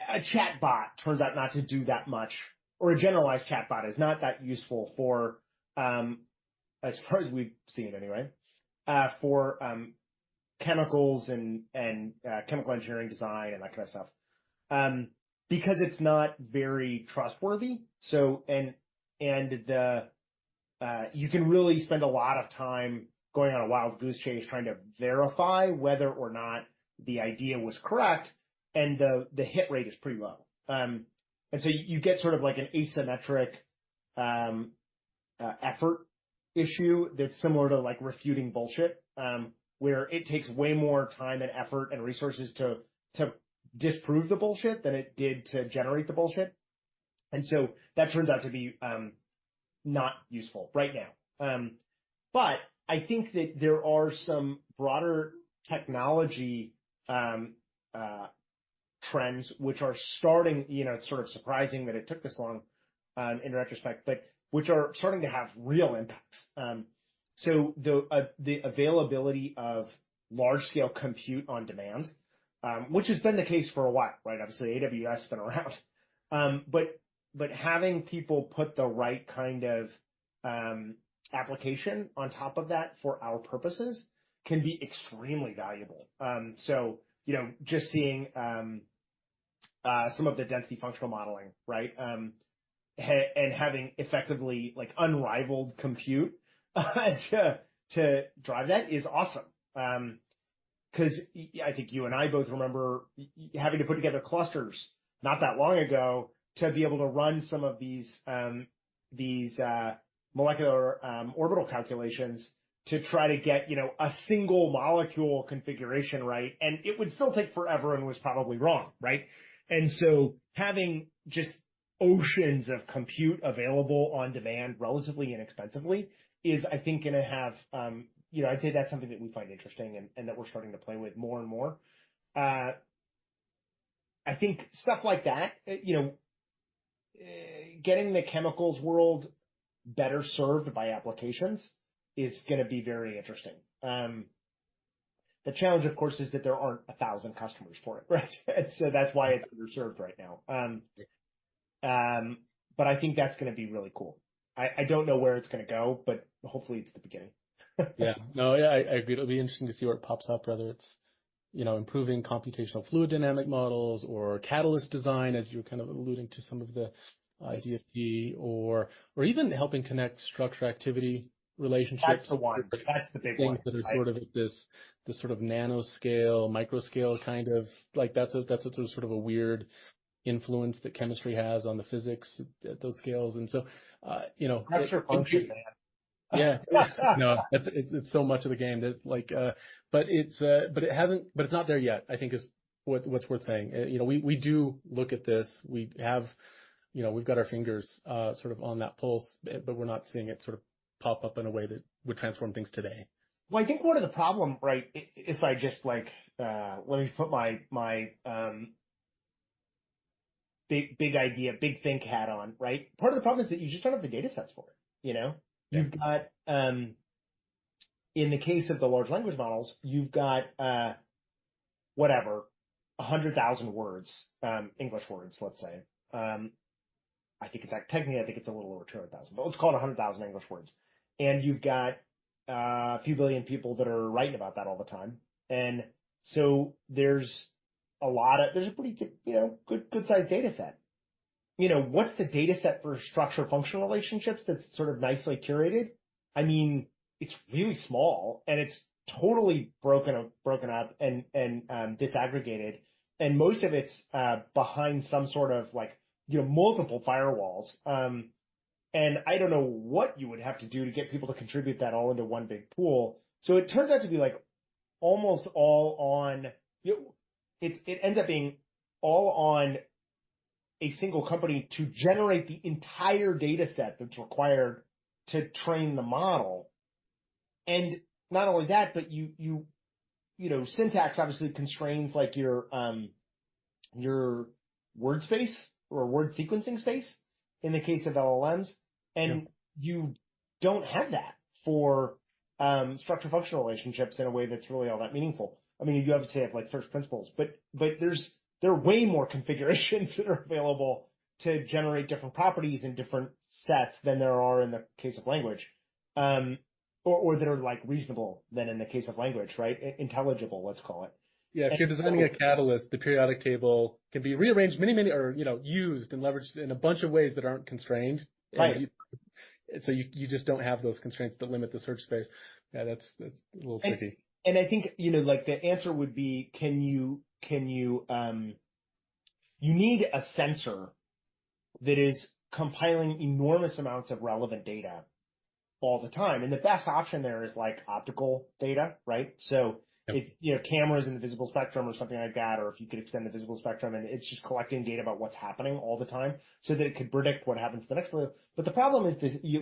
a chatbot turns out not to do that much, or a generalized chatbot is not that useful for, as far as we've seen anyway, for chemicals and chemical engineering design and that kind of stuff because it's not very trustworthy, and you can really spend a lot of time going on a wild goose chase trying to verify whether or not the idea was correct, and the hit rate is pretty low. And so you get sort of an asymmetric effort issue that's similar to refuting bullshit, where it takes way more time and effort and resources to disprove the bullshit than it did to generate the bullshit. And so that turns out to be not useful right now. But I think that there are some broader technology trends which are starting, it's sort of surprising that it took this long in retrospect, but which are starting to have real impacts. So the availability of large-scale compute on demand, which has been the case for a while, right? Obviously, AWS has been around. But having people put the right kind of application on top of that for our purposes can be extremely valuable. So just seeing some of the density functional modeling, right, and having effectively unrivaled compute to drive that is awesome. Because I think you and I both remember having to put together clusters not that long ago to be able to run some of these molecular orbital calculations to try to get a single molecule configuration right, and it would still take forever and was probably wrong, right? and so having just oceans of compute available on demand relatively inexpensively is, I think, going to have. I'd say that's something that we find interesting and that we're starting to play with more and more. I think stuff like that, getting the chemicals world better served by applications is going to be very interesting. The challenge, of course, is that there aren't 1,000 customers for it, right? and so that's why it's underserved right now, but I think that's going to be really cool. I don't know where it's going to go, but hopefully, it's the beginning. Yeah. No, yeah, I agree. It'll be interesting to see where it pops up, whether it's improving computational fluid dynamics models or catalyst design, as you were kind of alluding to some of the DFT, or even helping connect structure-activity relationships. That's the one. That's the big one. Things that are sort of at this sort of nano-scale, micro-scale kind of, that's sort of a weird influence that chemistry has on the physics at those scales. And so. That's your function, man. Yeah. No, it's so much of the game, but it hasn't, but it's not there yet, I think, is what's worth saying. We do look at this. We've got our fingers sort of on that pulse, but we're not seeing it sort of pop up in a way that would transform things today. I think part of the problem, right, if I just, let me put my big idea, big think hat on, right? Part of the problem is that you just don't have the datasets for it. In the case of the large language models, you've got, whatever, 100,000 English words, let's say. I think technically, I think it's a little over 200,000, but let's call it 100,000 English words. And you've got a few billion people that are writing about that all the time. And so there's a lot of, there's a pretty good-sized dataset. What's the dataset for structure-activity relationships that's sort of nicely curated? I mean, it's really small, and it's totally broken up and disaggregated. And most of it's behind some sort of multiple firewalls. And I don't know what you would have to do to get people to contribute that all into one big pool. So it turns out to be almost all on. It ends up being all on a single company to generate the entire dataset that's required to train the model. And not only that, but your syntax obviously constrains your word space or word sequencing space in the case of LLMs. And you don't have that for structure-function relationships in a way that's really all that meaningful. I mean, you obviously have first principles, but there are way more configurations that are available to generate different properties and different sets than there are in the case of language, or that are reasonable than in the case of language, right? Intelligible, let's call it. Yeah. If you're designing a catalyst, the periodic table can be rearranged many, many or used and leveraged in a bunch of ways that aren't constrained. So you just don't have those constraints that limit the search space. Yeah, that's a little tricky. And I think the answer would be, you need a sensor that is compiling enormous amounts of relevant data all the time. And the best option there is optical data, right? So cameras in the visible spectrum or something like that, or if you could extend the visible spectrum, and it's just collecting data about what's happening all the time so that it could predict what happens to the next layer. But the problem is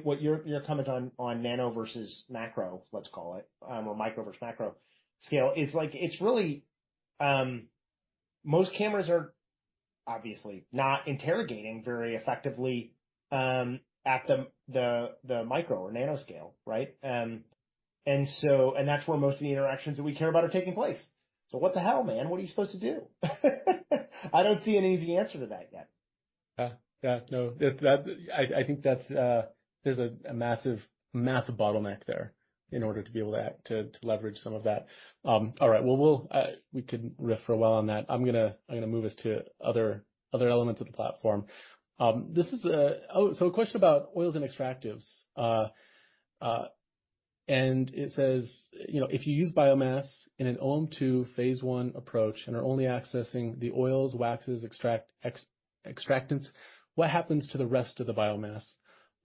what you're commenting on nano versus macro, let's call it, or micro versus macro scale, is it's really most cameras are obviously not interrogating very effectively at the micro or nano scale, right? And that's where most of the interactions that we care about are taking place. So what the hell, man? What are you supposed to do? I don't see an easy answer to that yet. Yeah. Yeah. No. I think there's a massive bottleneck there in order to be able to leverage some of that. All right. Well, we can riff for a while on that. I'm going to move us to other elements of the platform. This is a, oh, so a question about oils and extractives. And it says, "If you use biomass in an OM2 Phase 1 approach and are only accessing the oils, waxes, extractives, what happens to the rest of the biomass?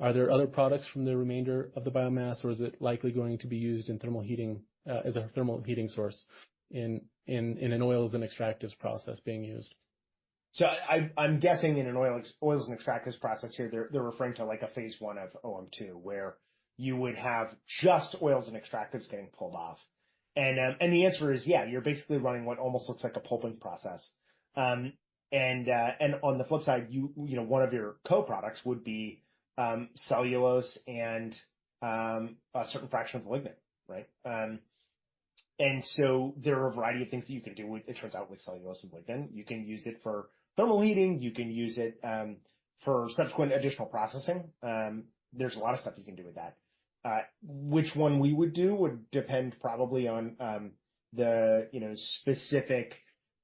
Are there other products from the remainder of the biomass, or is it likely going to be used as a thermal heating source in an oils and extractives process being used? So, I'm guessing in an oils and extractives process here, they're referring to a Phase 1 of OM2, where you would have just oils and extractives getting pulled off. And the answer is, yeah, you're basically running what almost looks like a pulping process. And on the flip side, one of your co-products would be cellulose and a certain fraction of the lignin, right? And so there are a variety of things that you can do, it turns out, with cellulose and lignin. You can use it for thermal heating. You can use it for subsequent additional processing. There's a lot of stuff you can do with that. Which one we would do would depend probably on the specific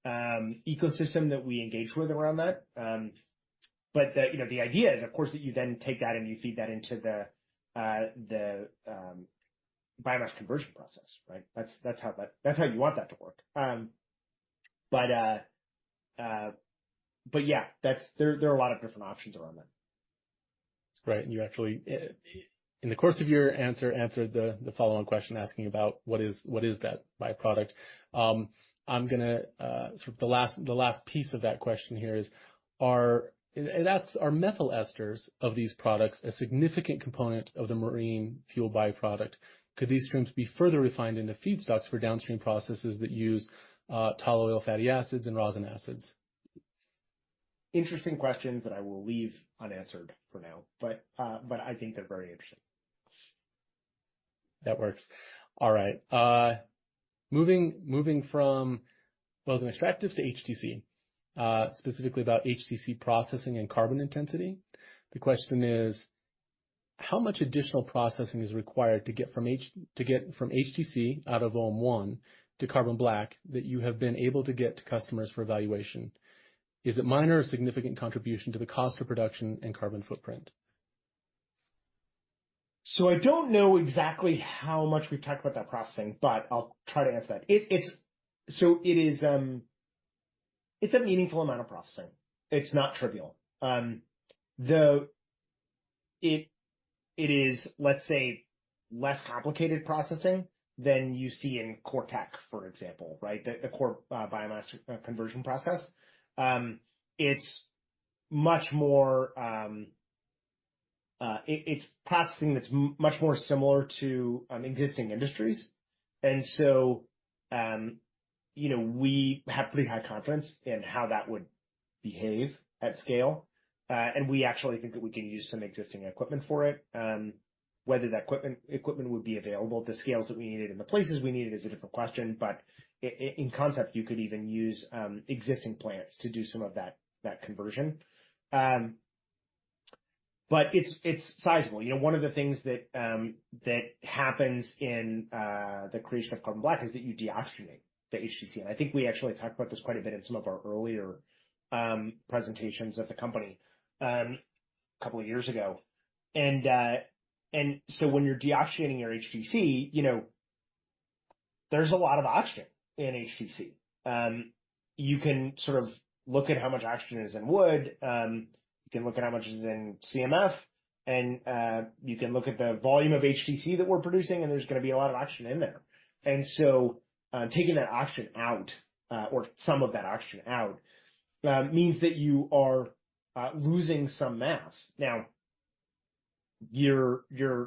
ecosystem that we engage with around that. But the idea is, of course, that you then take that and you feed that into the biomass conversion process, right? That's how you want that to work, but yeah, there are a lot of different options around that. That's great. And you actually, in the course of your answer, answered the follow-on question asking about what is that byproduct. I'm going to, sort of the last piece of that question here is, it asks, "Are methyl esters of these products a significant component of the marine fuel byproduct? Could these streams be further refined into feedstocks for downstream processes that use tall oil fatty acids and rosin acids? Interesting questions that I will leave unanswered for now, but I think they're very interesting. That works. All right. Moving from oils and extractives to HTC, specifically about HTC processing and carbon intensity, the question is, "How much additional processing is required to get from HTC out of OM1 to carbon black that you have been able to get to customers for evaluation? Is it minor or significant contribution to the cost of production and carbon footprint? So I don't know exactly how much we've talked about that processing, but I'll try to answer that. So it's a meaningful amount of processing. It's not trivial. It is, let's say, less complicated processing than you see in Core Tech, for example, right? The core biomass conversion process. It's processing that's much more similar to existing industries. And so we have pretty high confidence in how that would behave at scale. And we actually think that we can use some existing equipment for it. Whether that equipment would be available at the scales that we needed and the places we needed is a different question. But in concept, you could even use existing plants to do some of that conversion. But it's sizable. One of the things that happens in the creation of carbon black is that you deoxygenate the HTC. I think we actually talked about this quite a bit in some of our earlier presentations at the company a couple of years ago. When you're deoxygenating your HTC, there's a lot of oxygen in HTC. You can sort of look at how much oxygen is in wood. You can look at how much is in CMF. You can look at the volume of HTC that we're producing, and there's going to be a lot of oxygen in there. Taking that oxygen out, or some of that oxygen out, means that you are losing some mass. Now, you're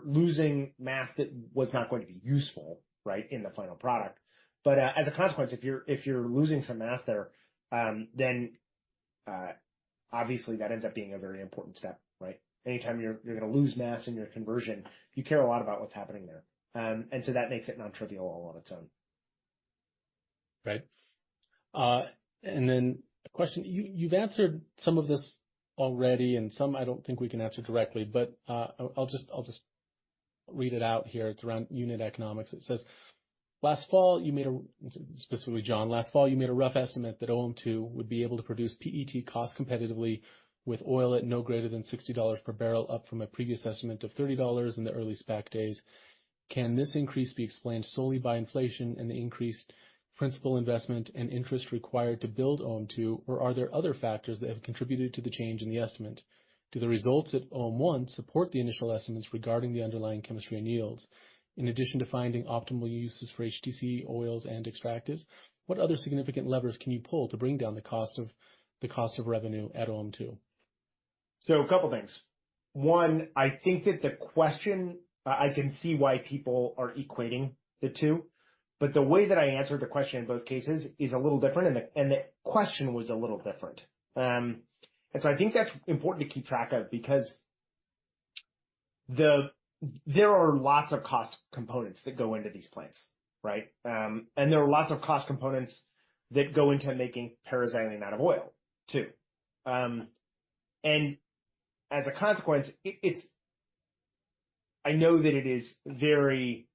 losing mass that was not going to be useful, right, in the final product. As a consequence, if you're losing some mass there, then obviously, that ends up being a very important step, right? Anytime you're going to lose mass in your conversion, you care a lot about what's happening there, and so that makes it non-trivial all on its own. Right. And then a question. You've answered some of this already, and some I don't think we can answer directly, but I'll just read it out here. It's around unit economics. It says, "Specifically, John, last fall, you made a rough estimate that OM2 would be able to produce PET cost competitively with oil at no greater than $60 per barrel up from a previous estimate of $30 in the early SPAC days. Can this increase be explained solely by inflation and the increased principal investment and interest required to build OM2, or are there other factors that have contributed to the change in the estimate? Do the results at OM1 support the initial estimates regarding the underlying chemistry and yields? In addition to finding optimal uses for HTC, oils, and extractives, what other significant levers can you pull to bring down the cost of revenue at OM2? So a couple of things. One, I think that the question, I can see why people are equating the two. But the way that I answered the question in both cases is a little different, and the question was a little different. And so I think that's important to keep track of because there are lots of cost components that go into these plants, right? And there are lots of cost components that go into making paraxylene out of oil, too. And as a consequence, I know that it is very,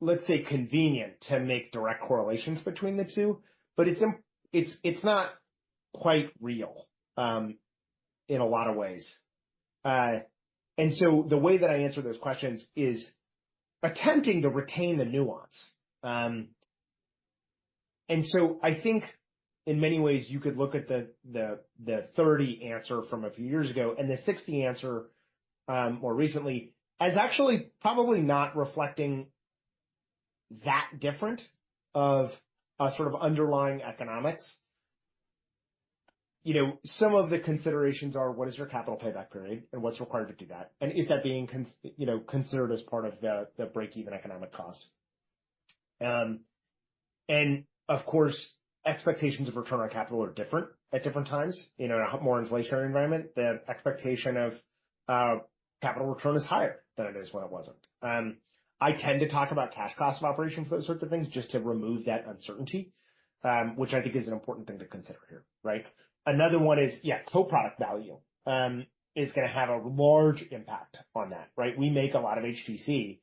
let's say, convenient to make direct correlations between the two, but it's not quite real in a lot of ways. And so the way that I answer those questions is attempting to retain the nuance. I think in many ways, you could look at the 30 answer from a few years ago, and the 60 answer more recently is actually probably not reflecting that different of a sort of underlying economics. Some of the considerations are, what is your capital payback period, and what's required to do that? And is that being considered as part of the break-even economic cost? And of course, expectations of return on capital are different at different times. In a more inflationary environment, the expectation of capital return is higher than it is when it wasn't. I tend to talk about cash cost of operation for those sorts of things just to remove that uncertainty, which I think is an important thing to consider here, right? Another one is, yeah, co-product value is going to have a large impact on that, right? We make a lot of HTC.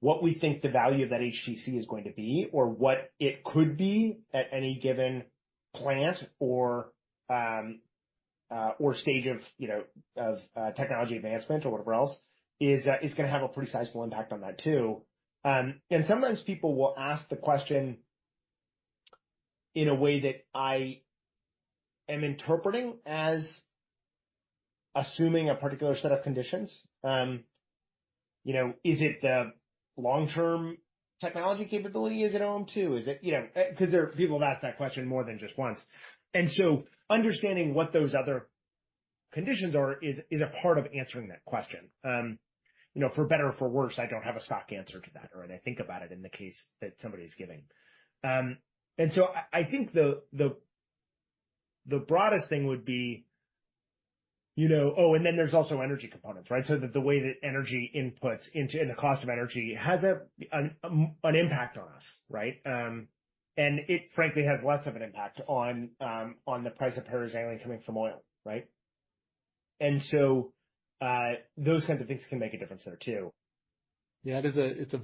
What we think the value of that HTC is going to be, or what it could be at any given plant or stage of technology advancement or whatever else, is going to have a pretty sizable impact on that, too. And sometimes people will ask the question in a way that I am interpreting as assuming a particular set of conditions. Is it the long-term technology capability? Is it OM2? Because people have asked that question more than just once. And so understanding what those other conditions are is a part of answering that question. For better or for worse, I don't have a stock answer to that, or I think about it in the case that somebody is giving. And so I think the broadest thing would be, oh, and then there's also energy components, right? So the way that energy inputs into the cost of energy has an impact on us, right? And it, frankly, has less of an impact on the price of propylene coming from oil, right? And so those kinds of things can make a difference there, too. Yeah. It's a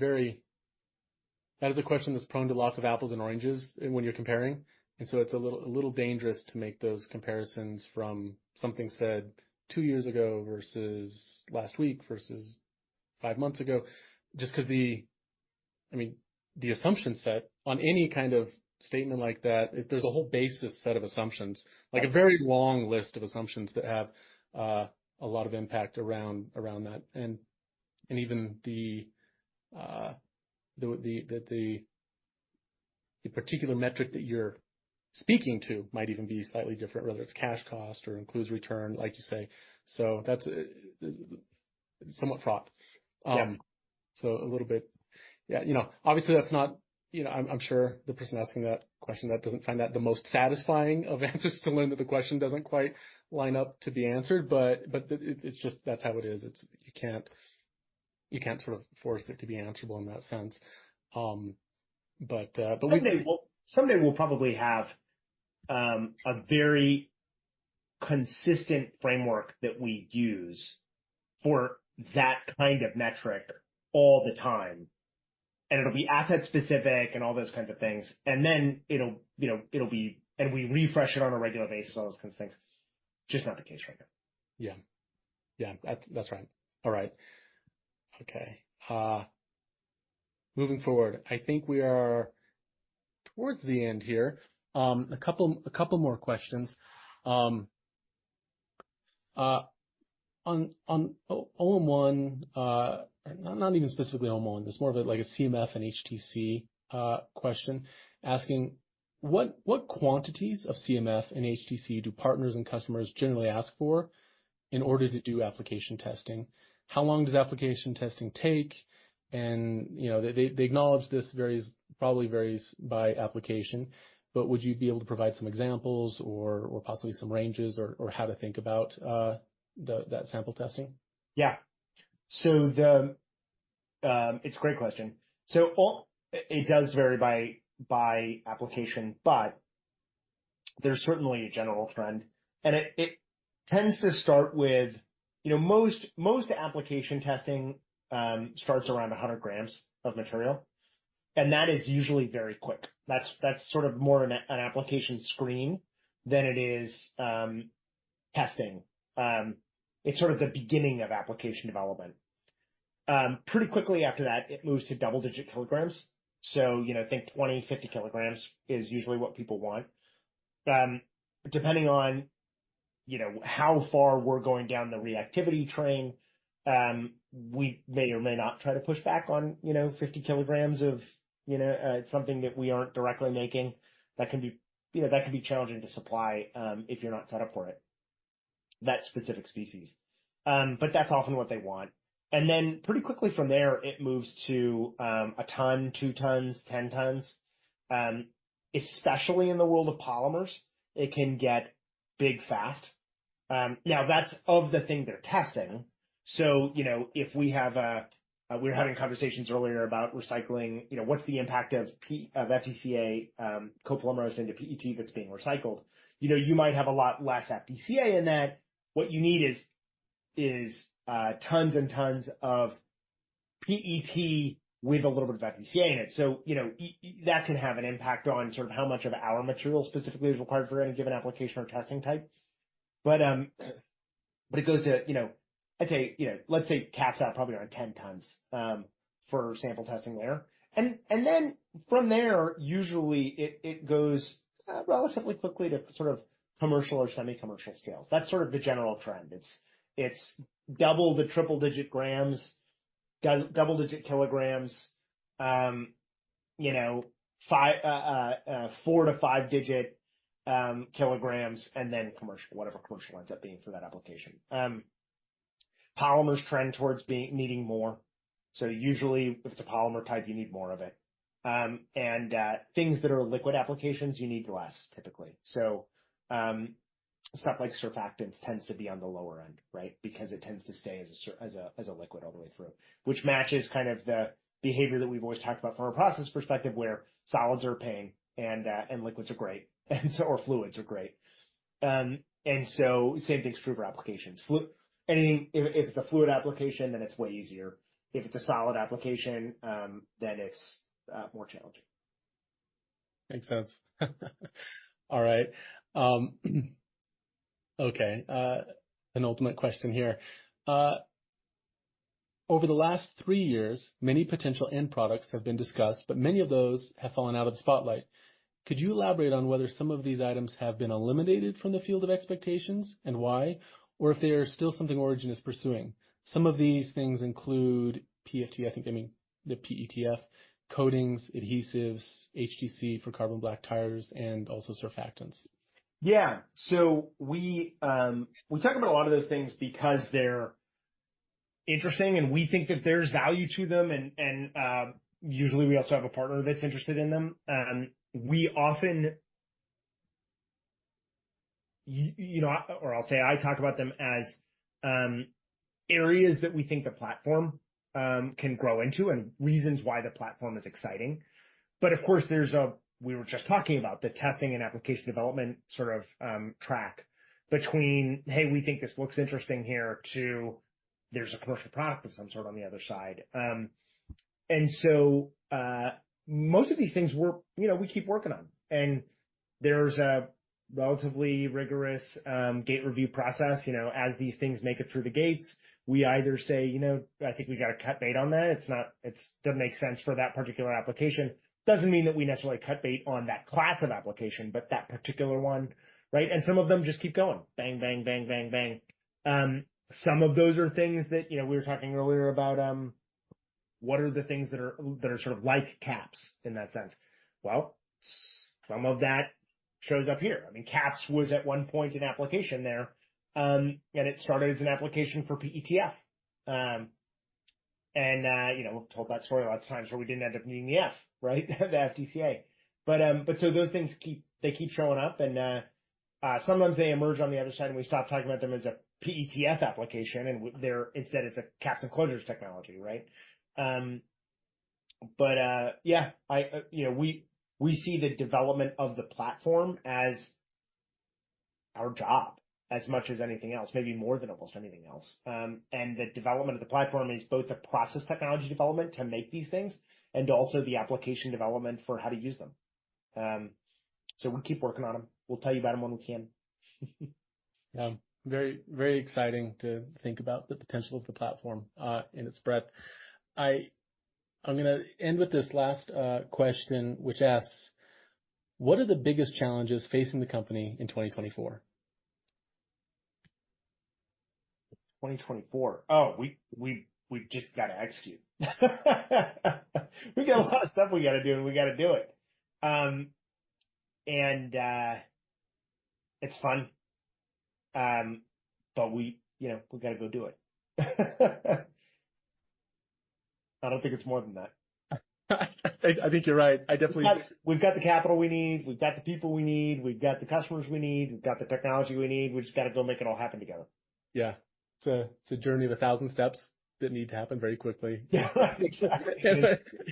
question that's prone to lots of apples and oranges when you're comparing. And so it's a little dangerous to make those comparisons from something said two years ago versus last week versus five months ago, just because the, I mean, the assumption set on any kind of statement like that, there's a whole basis set of assumptions, like a very long list of assumptions that have a lot of impact around that. And even the particular metric that you're speaking to might even be slightly different, whether it's cash cost or includes return, like you say. So that's somewhat fraught. So a little bit, yeah. Obviously, that's not. I'm sure the person asking that question, that doesn't find that the most satisfying of answers to learn that the question doesn't quite line up to be answered, but that's how it is. You can't sort of force it to be answerable in that sense. But we've. Someday we'll probably have a very consistent framework that we use for that kind of metric all the time, and it'll be asset-specific and all those kinds of things, and then it'll be and we refresh it on a regular basis, all those kinds of things. Just not the case right now. Yeah. Yeah. That's right. All right. Okay. Moving forward, I think we are towards the end here. A couple more questions. On OM1, not even specifically OM1, just more of a CMF and HTC question, asking what quantities of CMF and HTC do partners and customers generally ask for in order to do application testing? How long does application testing take? And they acknowledge this probably varies by application. But would you be able to provide some examples or possibly some ranges or how to think about that sample testing? Yeah. So it's a great question. So it does vary by application, but there's certainly a general trend. And it tends to start with most application testing starts around 100 g of material. And that is usually very quick. That's sort of more an application screen than it is testing. It's sort of the beginning of application development. Pretty quickly after that, it moves to double-digit kilograms. So I think 20 kg, 50 kg is usually what people want. Depending on how far we're going down the reactivity train, we may or may not try to push back on 50 kg of something that we aren't directly making. That can be challenging to supply if you're not set up for it, that specific species. But that's often what they want. And then pretty quickly from there, it moves to a ton, two tons, 10 tons. Especially in the world of polymers, it can get big fast. Now, that's of the thing they're testing. We were having conversations earlier about recycling. What's the impact of FDCA copolymerization into PET that's being recycled? You might have a lot less FDCA in that. What you need is tons and tons of PET with a little bit of FDCA in it, so that can have an impact on sort of how much of our material specifically is required for any given application or testing type, but it goes to, I'd say, let's say caps at probably around 10 tons for sample testing there. And then from there, usually, it goes relatively quickly to sort of commercial or semi-commercial scales. That's sort of the general trend. It's double to triple-digit grams, double-digit kilograms, four to five-digit kilograms, and then commercial, whatever commercial ends up being for that application. Polymers trend towards needing more, so usually, if it's a polymer type, you need more of it and things that are liquid applications, you need less, typically, so stuff like surfactants tends to be on the lower end, right? Because it tends to stay as a liquid all the way through, which matches kind of the behavior that we've always talked about from a process perspective where solids are a pain and liquids are great or fluids are great, and so same thing's true for applications. If it's a fluid application, then it's way easier. If it's a solid application, then it's more challenging. Makes sense. All right. Okay. An ultimate question here. Over the last three years, many potential end products have been discussed, but many of those have fallen out of the spotlight. Could you elaborate on whether some of these items have been eliminated from the field of expectations and why, or if they are still something Origin is pursuing? Some of these things include PFT, I think, I mean, the PETF, coatings, adhesives, HTC for carbon black tires, and also surfactants. Yeah. So we talk about a lot of those things because they're interesting, and we think that there's value to them. And usually, we also have a partner that's interested in them. We often, or I'll say I talk about them as areas that we think the platform can grow into and reasons why the platform is exciting. But of course, there's a—we were just talking about the testing and application development sort of track between, "Hey, we think this looks interesting here," to, "There's a commercial product of some sort on the other side." And so most of these things, we keep working on. And there's a relatively rigorous gate review process. As these things make it through the gates, we either say, "I think we got to cut bait on that. It doesn't make sense for that particular application." Doesn't mean that we necessarily cut bait on that class of application, but that particular one, right? And some of them just keep going. Bang, bang, bang, bang, bang. Some of those are things that we were talking earlier about. What are the things that are sort of like caps in that sense? Well, some of that shows up here. I mean, caps was at one point an application there, and it started as an application for PETF. And we've told that story lots of times where we didn't end up needing the F, right? The FDCA. But so those things, they keep showing up, and sometimes they emerge on the other side, and we stop talking about them as a PETF application, and instead, it's a Caps and Closures technology, right? But yeah, we see the development of the platform as our job as much as anything else, maybe more than almost anything else. And the development of the platform is both the process technology development to make these things and also the application development for how to use them. So we keep working on them. We'll tell you about them when we can. Yeah. Very exciting to think about the potential of the platform in its breadth. I'm going to end with this last question, which asks, what are the biggest challenges facing the company in 2024? 2024? Oh, we just got to execute. We got a lot of stuff we got to do, and we got to do it, and it's fun, but we got to go do it. I don't think it's more than that. I think you're right. I definitely. We've got the capital we need. We've got the people we need. We've got the customers we need. We've got the technology we need. We just got to go make it all happen together. Yeah. It's a journey of a thousand steps that need to happen very quickly. Yeah. Exactly.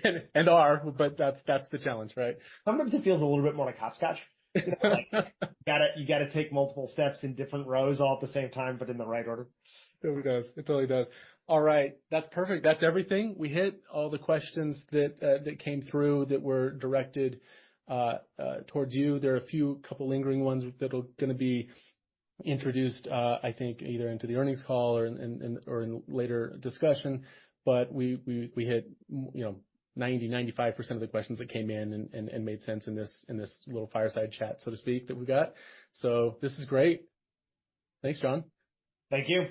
But that's the challenge, right? Sometimes it feels a little bit more like hopscotch. You got to take multiple steps in different rows all at the same time, but in the right order. It totally does. It totally does. All right. That's perfect. That's everything. We hit all the questions that came through that were directed towards you. There are a few couple lingering ones that are going to be introduced, I think, either into the earnings call or in later discussion. But we hit 90%-95% of the questions that came in and made sense in this little fireside chat, so to speak, that we've got. So this is great. Thanks, John. Thank you.